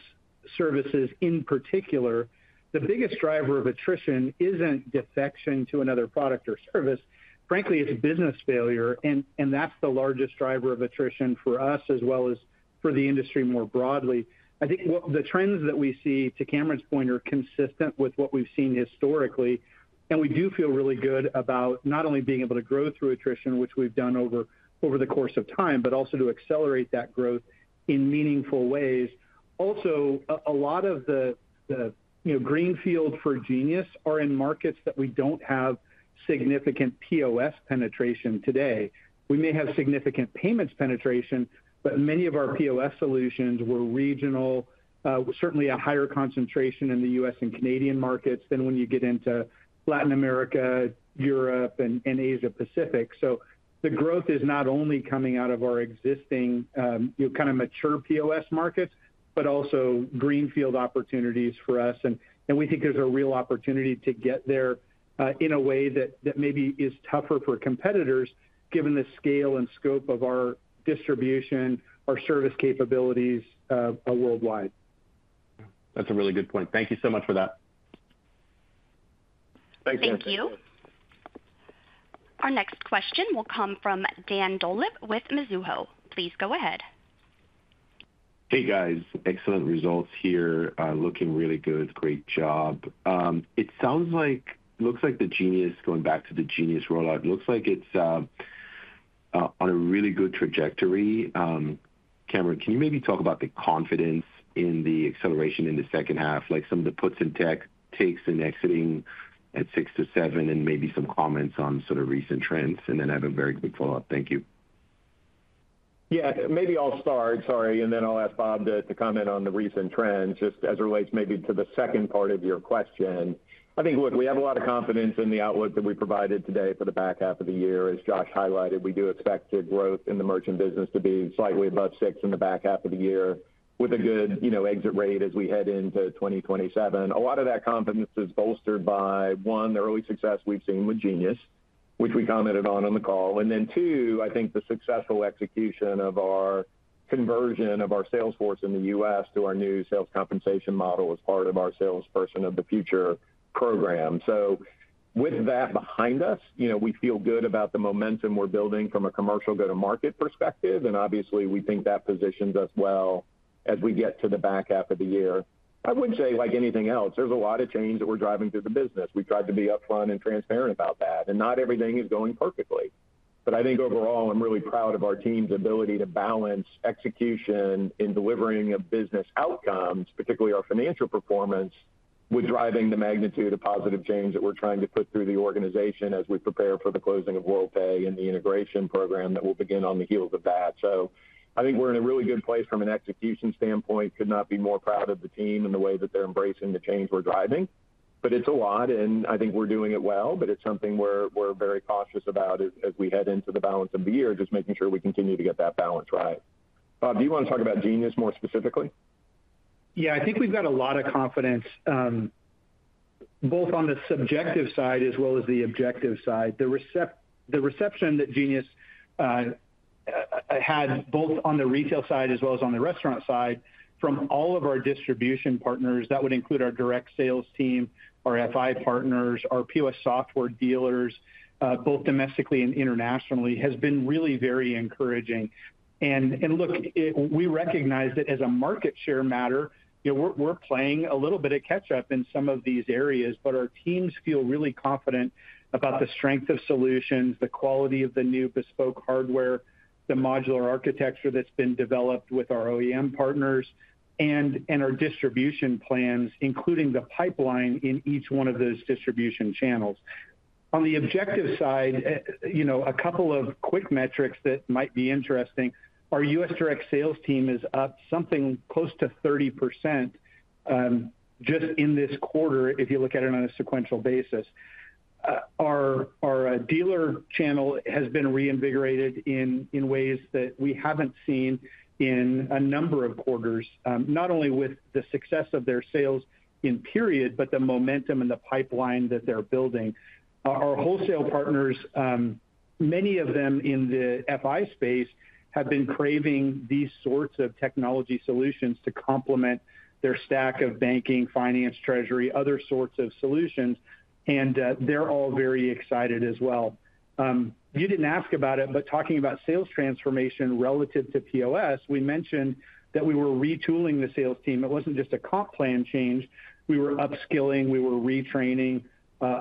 services in particular, the biggest driver of attrition isn't defection to another product or service, frankly, it's business failure. That's the largest driver of attrition for us as well as for the industry more broadly. I think the trends that we see to Cameron's point are consistent with what we've seen historically. We do feel really good about not only being able to grow through attrition, which we've done over the course of time, but also to accelerate that growth in meaningful ways. Also, a lot of the greenfield for Genius are in markets that we don't have significant POS penetration today. We may have significant payments penetration, but many of our POS solutions were regional, certainly a higher concentration in the U.S. and Canadian markets than when you get into Latin America, Europe, and Asia Pacific. The growth is not only coming out of our existing kind of mature POS markets, but also greenfield opportunities for us. We think there's a real opportunity to get there in a way that maybe is tougher for competitors given the scale and scope of our distribution and our service capabilities worldwide. That's a really good point. Thank you so much for that. Thank you. Our next question will come from Dan Dolev with Mizuho. Please go ahead. Hey guys, excellent results here. Looking really good. Great job. It sounds like. Looks like the Genius, going back to the Genius rollout, looks like it's on a really good trajectory. Cameron, can you maybe talk about the confidence in the acceleration in the second half, like some of the puts and takes in exiting at 6%-7%, and maybe some comments on sort of recent trends? Then I have a very big follow-up. Thank you. Yeah, maybe I'll start. Sorry. I'll ask Bob to comment on the recent trends, just as it relates maybe to the second part of your question. I think we have a lot of confidence in the outlook that we provided today for the back half of the year. As Josh highlighted, we do expect growth in the merchant business to be slightly above 6% in the back half of the year with a good, you know. Exit rate as we head into 2027. A lot of that confidence is bolstered by, one, the early success we've seen. With Genius, which we commented on. The call and then two, I think the successful execution of our conversion of our sales force in the U.S. to our new sales compensation model as part of our salesperson of the future program. With that behind us, you know. We feel good about the momentum we're building from a commercial go-to-market perspective, and obviously we think that positions us well. As well as we get to the. Back half of the year. I wouldn't say like anything else, there's A lot of change that we're driving through the business. We tried to be upfront and transparent. About that, and not everything is going perfectly. I think overall I'm really proud of our team's ability to balance execution in delivering of business outcomes, particularly our. Financial performance with driving the magnitude of. Positive change that we're trying to put through the organization as we prepare for the closing of Worldpay and the integration program that will begin on the heels of that. I think we're in a really. Good place from an execution standpoint. Could not be more proud of the team and the way that they're embracing. The change we're driving, but it's a lot, and I think we're doing it well. It is something we're very cautious about as we head into the balance of the year, just making sure we continue to get that balance right. Bob, do you want to talk about Genius more specifically? Yeah, I think we've got a lot of confidence both on the subjective side as well as the objective side. The reception that Genius had, both on the retail side as well as on the restaurant side from all of our distribution partners, that would include our direct sales team, our FI partners, our POS software dealers, both domestically and internationally, has been really very encouraging. We recognize that as a market share matter, we're playing a little bit of catch up in some of these areas. Our teams feel really confident about the strength of solutions, the quality of the new bespoke hardware, the modular architecture that's been developed with our OEM partners, and our distribution plans, including the pipeline in each one of those distribution channels. On the objective side, a couple of quick metrics that might be interesting. Our U.S. direct sales team is up something close to 30% just in this quarter if you look at it on a sequential basis. Our dealer channel has been reinvigorated in ways that we haven't seen in a number of quarters, not only with the success of their sales in period, but the momentum and the pipeline that they're building. Our wholesale partners, many of them in the FI space, have been craving these sorts of technology solutions to complement their stack of banking, finance, treasury, other sorts of solutions, and they're all very excited as well. You didn't ask about it, but talking about sales transformation relative to POS, we mentioned that we were retooling the sales team. It wasn't just a comp plan change. We were upskilling, we were retraining.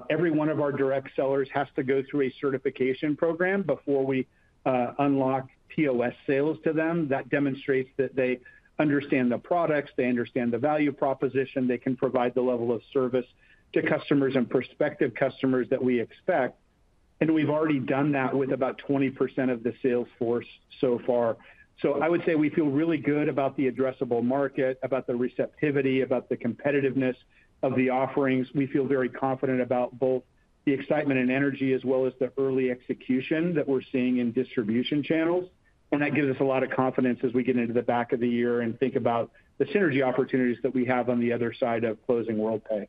Every one of our direct sellers has to go through a certification program before we unlock POS sales to them. That demonstrates that they understand the products, they understand the value proposition, they can provide the level of service to customers and prospective customers that we expect. We've already done that with about 20% of the sales force so far. I would say we feel really good about the addressable market, about the receptivity, about the competitiveness of the offerings. We feel very confident about both the excitement and energy as well as the early execution that we're seeing in distribution channels. That gives us a lot of confidence as we get into the back of the year and think about the synergy opportunities that we have on the other side of closing Worldpay.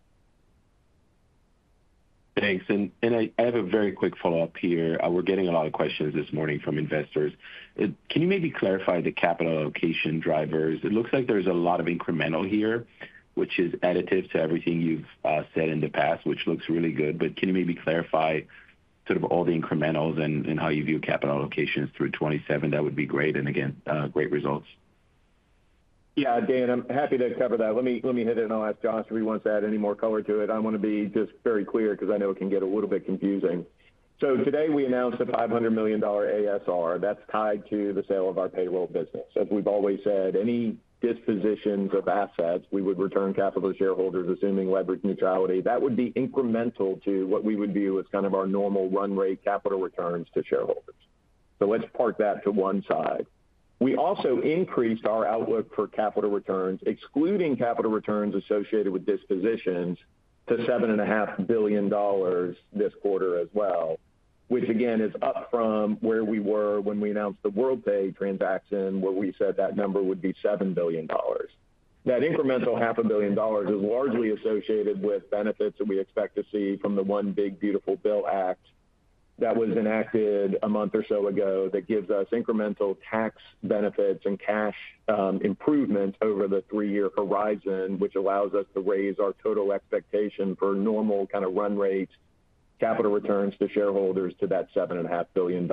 Thanks. I have a very quick follow-up here. We're getting a lot of questions this morning from investors. Can you maybe clarify the capital allocation drivers? It looks like there's a lot of incremental here, which is additive to everything you've said in the past, which looks really good. Can you maybe clarify sort of all the incrementals and how you view capital allocations through 2027? That would be great. Again, great results. Yeah, Dan, I'm happy to cover that. Let me hit it, and I'll ask Josh if he wants to add any more color to it. I want to be just very clear. Because I know it can get a little bit confusing. Today we announced a $500 million. ASR that's tied to the sale of our payroll business. As we've always said, any dispositions of assets, we would return capital to shareholders, assuming leverage neutrality. That would be incremental to what we would view as kind of our normal run-rate capital returns to shareholders. Let's park that to one side. We also increased our outlook for capital. Returns, excluding capital returns associated with dispositions, to $7.5 billion this quarter as well. Which again is up from where we were. When we announced the Worldpay transaction where we said that number would be $7 billion, that incremental $500 million is largely associated with benefits that we expect to see from the One Big Beautiful Bill Act that was enacted a month or so ago. That gives us incremental tax benefits and cash improvement over the three-year horizon, which allows us to raise our total expectation for normal kind of run-rate capital returns to shareholders to that $7.5 billion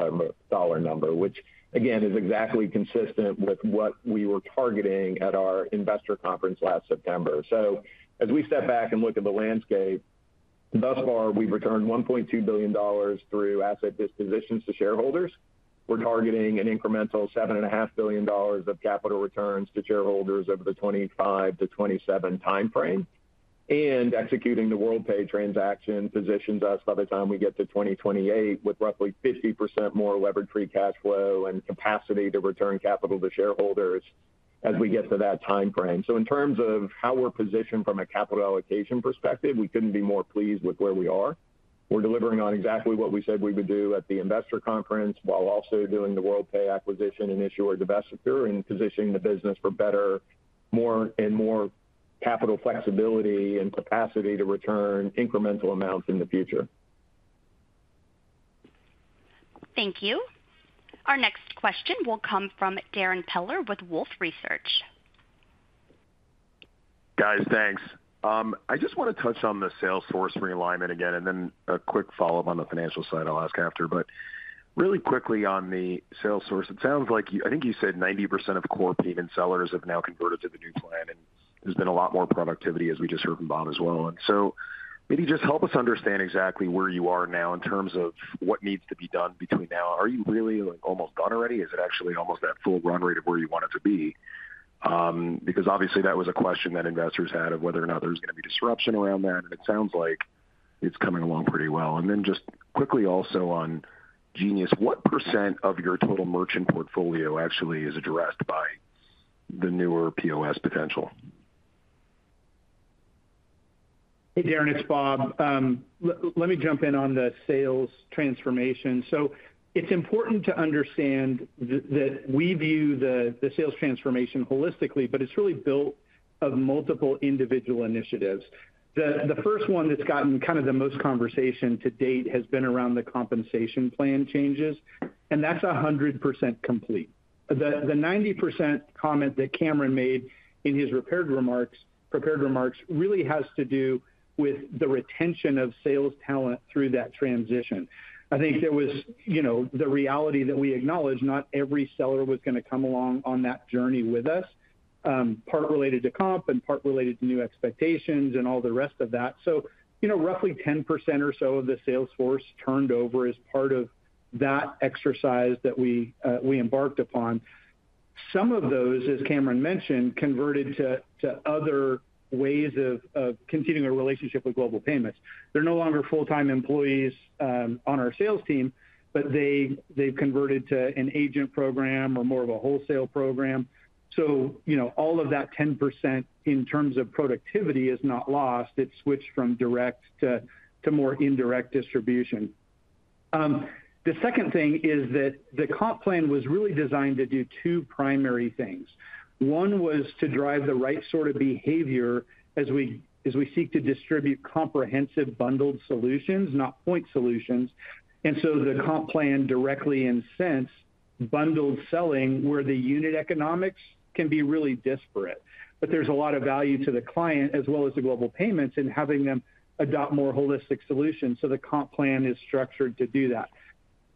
number. Which again is exactly consistent with what. We were targeting at our investor conference last September. As we step back and look at the landscape thus far, we've returned. $1.2 billion through asset dispositions to shareholders. We're targeting an incremental $7.5 billion of capital returns to shareholders over the 2025-2027 time frame. Executing the Worldpay transaction positions us by the time we get to 2028 with roughly 50% more levered free cash flow and capacity to return capital to shareholders. Shareholders as we get to that time frame. In terms of how we're positioned from a capital allocation perspective, we couldn't be more pleased with where we are. We're delivering on exactly what we said we would do at the investor conference, while also doing the Worldpay acquisition, initial divestiture, and positioning the business for better. More and more capital flexibility and capacity. To return incremental amounts in the future. Thank you. Our next question will come from Darrin Peller with Wolfe Research. Guys, thanks. I just want to touch on the force realignment again, and then a quick follow-up on the financial side. I'll ask after. Really quickly on the sales force. It sounds like you said 90% of corp, even sellers have. Now converted to the new plan, there's been a lot more productivity. As we just heard from Bob as well. Maybe just help us understand. Exactly where you are now in terms of what needs to be done between now. Are you really almost done already? Is it actually almost that full run-rate of where you want it to be? Because obviously that was a question that investors had of whether or not there's any disruption around that, and it sounds. It's coming along pretty well. Just quickly also on Genius. What percent of your total merchant portfolio? Actually, is addressed by the newer POS potential? Hey Darren, it's Bob. Let me jump in on the sales transformation. It's important to understand that we view the sales transformation holistically, but it's really built of multiple individual initiatives. The first one that's gotten kind of. The most conversation to date has been around the compensation plan changes and that's 100% complete. The 90% comment that Cameron made in his prepared remarks really has to do with the retention of sales talent through that transition. I think there was the reality that we acknowledged not every seller was going to come along on that journey with us, part related to comp and part related to new expectations and all the rest of that. Roughly 10% or so of the sales force turned over as part of that exercise that we embarked upon. Some of those, as Cameron mentioned, converted to other ways of continuing a relationship with Global Payments. They're no longer full-time employees on our sales team, but they've converted to an agent program or more of a wholesale program. All of that 10% in terms of productivity is not lost. It switched from direct to more indirect distribution. The second thing is that the comp plan was really designed to do two primary things. One was to drive the right sort of behavior as we seek to distribute comprehensive bundled solutions, not point solutions. The comp plan directly incents bundled selling, where the unit economics can be really disparate, but there's a lot of value to the client as well as to Global Payments in having them adopt more holistic solutions. The comp plan is structured to do that.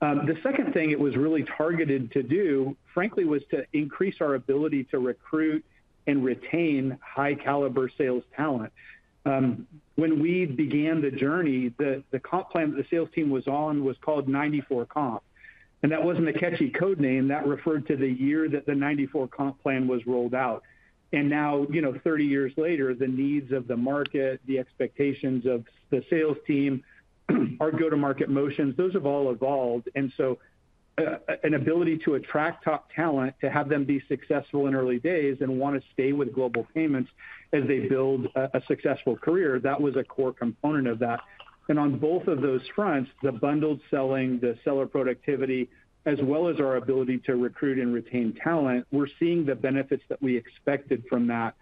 The second thing it was really targeted to do, frankly, was to increase our ability to recruit and retain high caliber sales talent. When we began the journey, the comp plan the sales team was on was called 94 comp and that wasn't a catchy code name; that referred to the year that the 94 comp plan was rolled out. Now, 30 years later, the needs of the market, the expectations of the sales team, our go-to-market motions, those have all evolved. An ability to attract top talent, to have them be successful in early days and want to stay with Global Payments as they build a successful career, that was a core component of that. On both of those fronts, the bundled selling, the seller productivity, as well as our ability to recruit and retain talent, we're seeing the benefits that we expected from that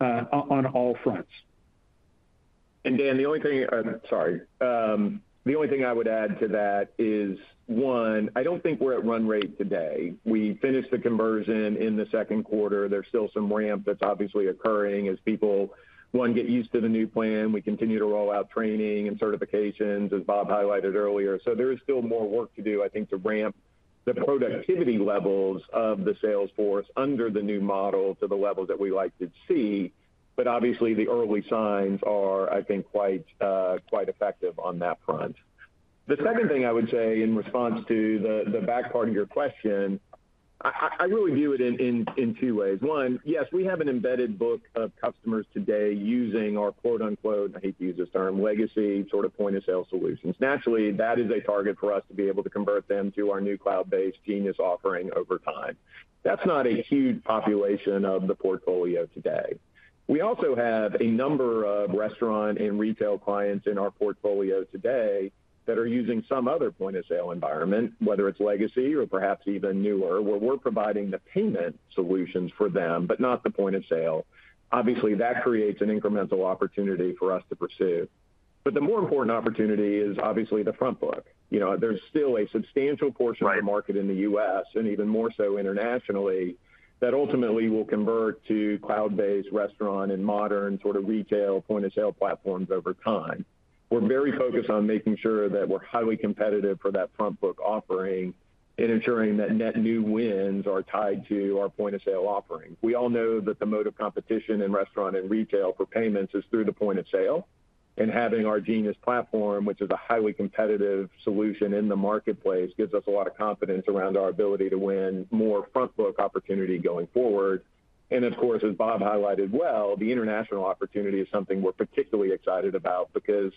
on all fronts. Dan, the only thing, sorry, the. Only thing I would add to that. One, I don't think we're at run-rate today. We finished the conversion in the second quarter. There's still some ramp that's obviously occurring. As people get used to the new plan. We continue to roll out training and certifications, as Bob highlighted earlier. There is still more work to do, I think, to ramp the productivity. Levels of the sales force under the new model to the level that we like to see. Obviously, the early signs are, I think, quite effective on that front. The second thing I would say is. Response to the back part of your question. Question, I really view it in two ways. One, yes, we have an embedded book. Of customers today using our, quote unquote, I hate to use this term, legacy sort of point-of-sale solutions. Naturally, that is a target for us. To be able to convert them to our new cloud-based Genius offering over time, that's not a huge population of the portfolio today. We also have a number of restaurants. Retail clients in our portfolio today. That are using some other point of sale. Sale environment, whether it's legacy or perhaps even newer, where we're providing the payment solutions for them but not the point-of-sale. Obviously, that creates an incremental opportunity for us to pursue. The more important opportunity is obviously the front book. There's still a substantial portion. Of the market in the U.S. and. Even more so internationally, that ultimately will. Convert to cloud-based restaurant and modern sort of retail point-of-sale platforms over time. We're very focused on making sure that. We're highly competitive for that front book. Offering and ensuring that net new wins. Are tied to our point-of-sale offering. We all know that the mode of competition in restaurant and retail for payments. Is through the point-of-sale. Having our Genius platform, which is a highly competitive solution in the marketplace, gives us a lot of confidence around our ability to win more front book opportunity going forward. Of course, as Bob highlighted, the international opportunity is something we're particularly. Excited about it because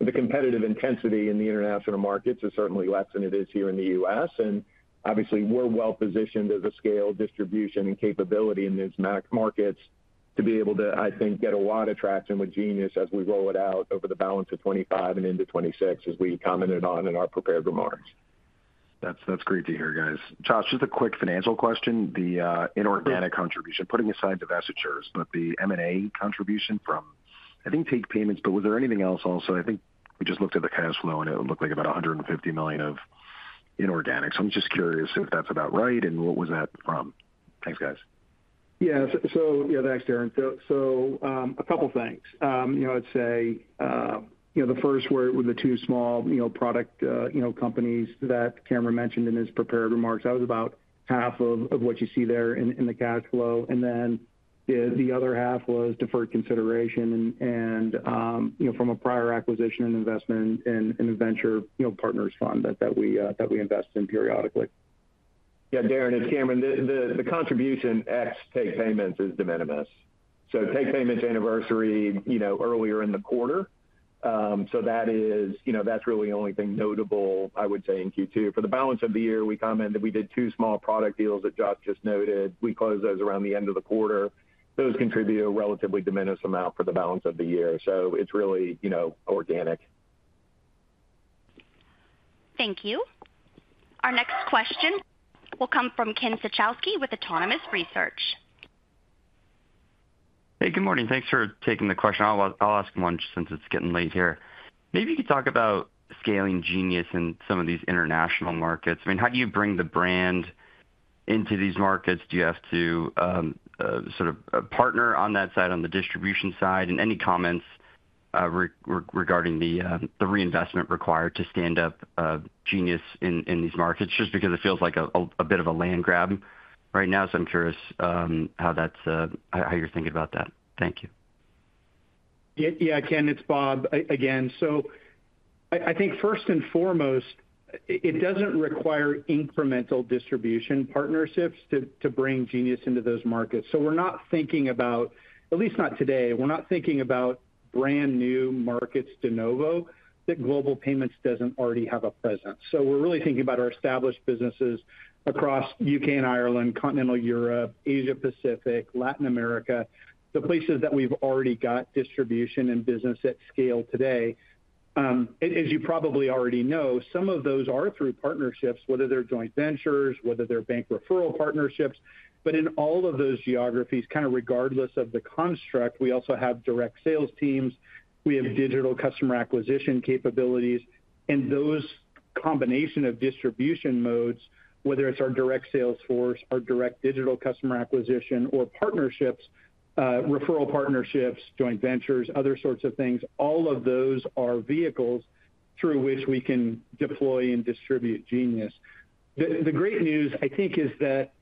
the competitive intensity in. The international markets is certainly less than it is here in the U.S., and obviously we're well positioned as a scale distribution and capability in these markets to be able to, I think, get a lot of traction with Genius as we roll it out over the balance of 2025 and into 2026, as we commented on in our prepared remarks. That's great to hear, guys. Josh, just a quick financial question. The inorganic contribution, putting aside divestitures. The M&A contribution from Issuer Solutions. Think take payments, but was there anything else also? I think we just looked at it. Cash flow, and it looked like about. $150 million of inorganics. I'm just curious if that's about right. What was that from? Thanks, guys. Yeah, thanks Darren. A couple things I'd say. The first, with the two small product companies that Cameron mentioned in his prepared remarks, that was about half of what you see there in the cash flow, and then the other half was deferred consideration from a prior acquisition and investment in a venture partners fund that we invest in periodically. Yeah, Darren, it's Cameron. The contribution X take payments is de minimis, so take payments anniversary, you know. Earlier in the quarter. That is, you know, that's really the only thing notable, I would say in Q2 for the balance of the year. We commented we did two small product deals that Josh just noted. We closed those around the end of the quarter. Those contribute a relatively diminished amount for the balance of the year. It's really, you know, organic. Thank you. Our next question will come from Ken Suchoski with Autonomous Research. Hey, good morning. Thanks for taking the question. I'll ask one since it's getting late here. Maybe you could talk about scaling Genius in some of these international markets. I mean, how do you bring the brand into these markets? Do you have to sort of partner on that side, on the distribution side? Any comments regarding the reinvestment required to stand up Genius in these markets just because it feels like a bit of a land grab right now? I'm curious how you're thinking about that. Thank you. Yeah, Ken, it's Bob again. I think first and foremost it doesn't require incremental distribution partnerships to bring Genius into those markets. We're not thinking about, at least not today, brand new markets de novo that Global Payments doesn't already have a presence. We're really thinking about our established businesses across the U.K. and Ireland, Continental Europe, Asia Pacific, Latin America, the places that we've already got distribution and business at scale today. As you probably already know, some of those are through partnerships, whether they're joint ventures or bank referral partnerships. In all of those geographies, regardless of the construct, we also have direct sales teams and digital customer acquisition capabilities. That combination of distribution modes, whether it's our direct sales force, our direct digital customer acquisition, or partnerships, referral partnerships, joint ventures, other sorts of things, all of those are vehicles through which we can deploy and distribute Genius. The great news is that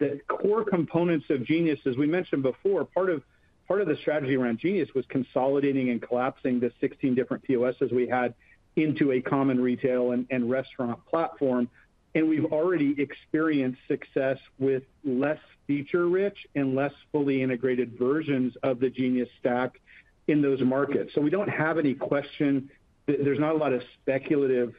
the core components of Genius, as we mentioned before, part of the strategy around Genius was consolidating and collapsing the 16 different POS's we had into a common retail and restaurant platform. We've already experienced success with less feature-rich and less fully integrated versions of the Genius stack in those markets. We don't have any questions. There's not a lot of speculative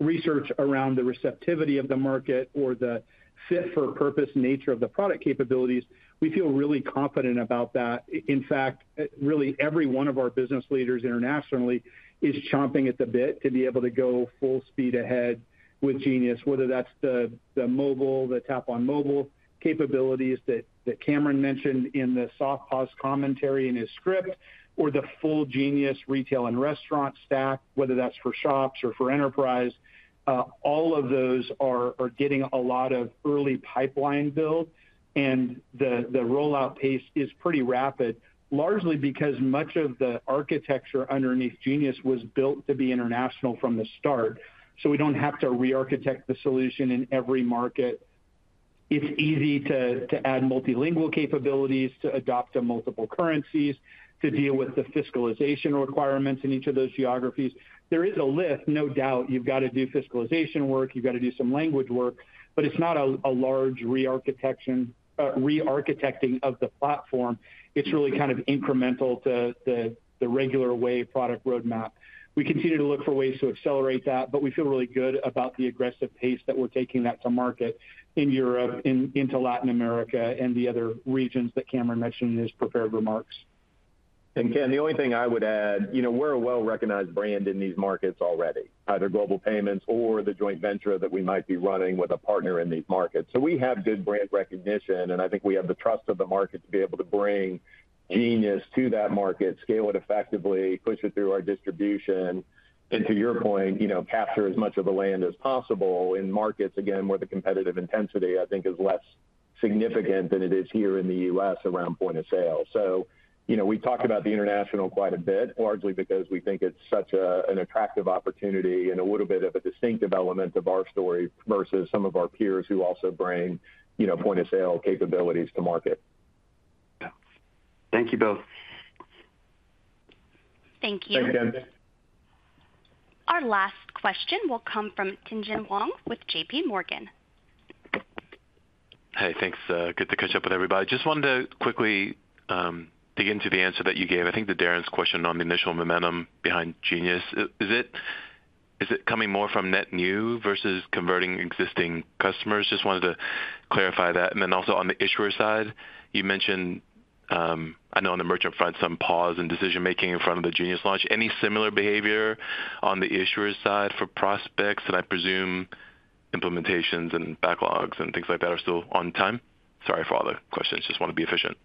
research around the receptivity of the market or the fit-for-purpose nature of the product capabilities. We feel really confident about that. In fact, every one of our business leaders internationally is chomping at the bit to be able to go full speed ahead with Genius. Whether that's the mobile, the tap on mobile capabilities that Cameron mentioned in the soft POS commentary in his script, or the full Genius retail and restaurant stack, whether that's for shops or for enterprise, all of those are getting a lot of early pipeline build and the rollout pace is pretty rapid, largely because much of the architecture underneath Genius was built to be international from the start. We don't have to re-architect the solution in every market. It's easy to add multilingual capabilities, to adopt multiple currencies, to deal with the fiscalization requirements. In each of those geographies there is a lift, no doubt. You've got to do fiscalization work, you've got to do some language work, but it's not a large re-architecting of the platform. It's really kind of incremental to the regular wave product roadmap. We continue to look for ways to accelerate that, but we feel really good about the aggressive pace that we're taking that to market in Europe, into Latin America, and the other regions that Cameron mentioned in his prepared remarks. Ken, the only thing I would. You know, we're a well-recognized brand in these markets already, either Global Payments or the joint venture that we might be running with a partner in these markets. We have good brand recognition, and I think we have the trust of the market to be able to bring Genius to that market, scale it effectively, push it through our distribution, and to your point, capture as much. Of the land as possible in markets. Again, where the competitive intensity, I think. Is less significant than it is here. In the U.S. around point-of-sale. We talk about the international quite a bit largely because we think it's such an attractive opportunity and a little bit of a distinctive element of our story versus some of our peers who also bring point-of-sale capabilities to market. Thank you both. Thank you. Our last question will come from Tien-Tsin Huang with J.P. Morgan. Hey, thanks. Good to catch up with everybody. Just wanted to quickly dig into the answer that you gave, I think to Darren's question, on the initial momentum behind Genius. Is it coming more from net new vs converting existing customers? Just wanted to clarify that. Also, on the issuer side you mentioned, I know on the merchant front, some pause in decision making in front of the Genius launch. Any similar behavior on the issuer side for prospects that I presume implementations and backlogs and things like that are still on time? Sorry for all the questions. Just want to be efficient.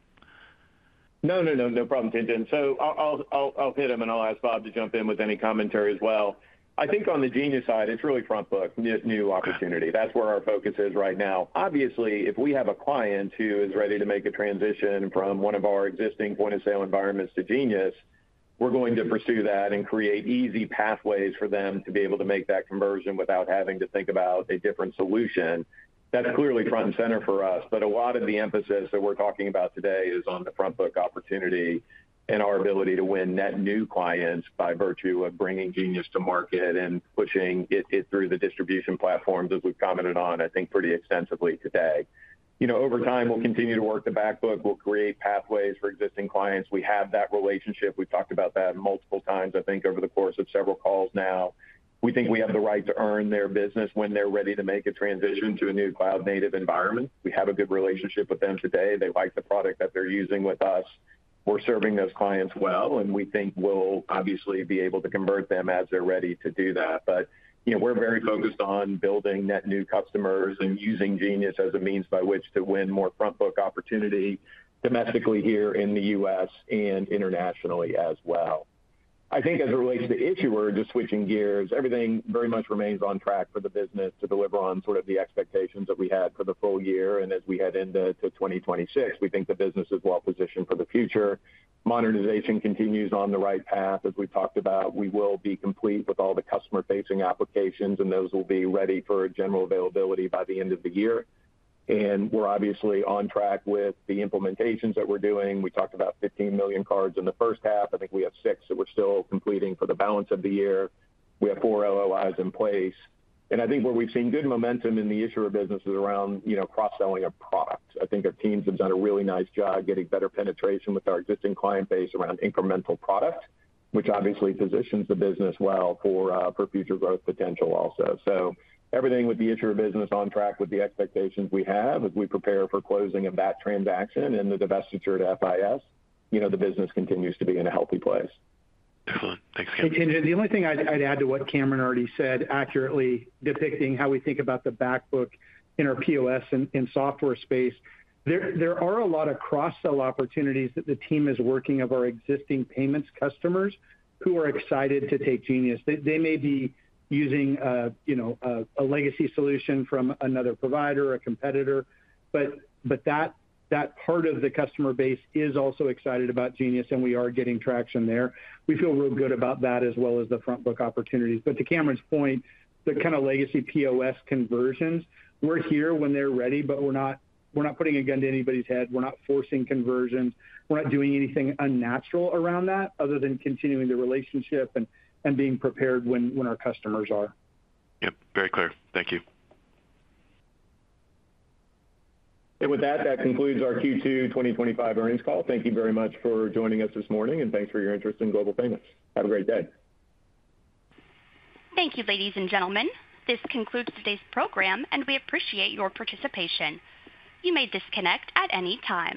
No, no problem, Tien-Tsin. I'll hit them and I'll ask Bob to jump in with any commentary as well. I think on the Genius side, it's. Really front book, new opportunity. That's where our focus is right now. Obviously, if we have a client who is ready to make a transition from. One of our existing point-of-sale. Environments to Genius, we're going to pursue that and create easy pathways for them to be able to make that conversion. Without having to think about a different solution. That's clearly front and center for us. A lot of the emphasis that. We're talking about today is on the. Front book opportunity and our ability to win net new clients by virtue of bringing Genius to market and pushing it through the distribution platforms. As we've commented on, I think pretty. Extensively today, you know, over time we'll. Continue to work the back book. We'll create pathways for existing clients. We have that relationship. We've talked about that multiple times. I think over the course of several. Calls now, we think we have the. Right to earn their business when they're. Ready to make a transition to a. New cloud native environment. We have a good relationship with them today. They like the product that they're using with us. We're serving those clients well. Think we'll obviously be able to convert them as they're ready to do that. We are very focused on. Building net new customers and using Genius. As a means by which to win more front book opportunity domestically here. The U.S. and internationally as well. I think as it relates to the Issuer Solutions, just switching gears, everything very much. Remains on track for the business to deliver on sort of the expectations that we had for the full year. As we head into 2026, we think the business is well positioned for the future. Modernization continues on the right path. As we talked about, we will be complete with all the customer facing applications and those will be ready for general availability by the end of the year. We're obviously on track with the implementations that we're doing. We talked about 15 million cards in the first half. I think we have six that we're still completing for the balance of the year. We have four LOIs in place. I think where we've seen good momentum in the Issuer Solutions business is around. You know, cross selling of product. I think our teams have done a really nice job getting better penetration with our existing client base around incremental product, which obviously positions the business well for future growth potential also. Everything with the Issuer Solutions business on. Track with the expectations we have as we prepare for closing of that transaction. The divestiture at fiscal, you know. The business continues to be in a healthy place. Thanks. The only thing I'd add to what Cameron already said, Acrisureately depicting how we think about the back book in our POS and software space. There are a lot of cross-sell opportunities that the team is working on for our existing payments customers who are excited to take Genius. They may be using, you know, a legacy solution from another provider, a competitor, but that part of the customer base is also excited about Genius, and we are getting traction there. We feel real good about that. As the front book opportunities, to Cameron's point, the kind of legacy POS conversions, we're here when they're ready, but we're not putting a gun to anybody's head. We're not forcing conversions, we're not doing anything unnatural around that other than continuing the relationship and being prepared when our customers are. Yep, very clear. Thank you. With that, that concludes our Q2 2025 earnings call. Thank you very much for joining us this morning, and thanks for your interest in Global Payments. Have a great day. Thank you. Ladies and gentlemen, this concludes today's program, and we appreciate your participation. You may disconnect at any time.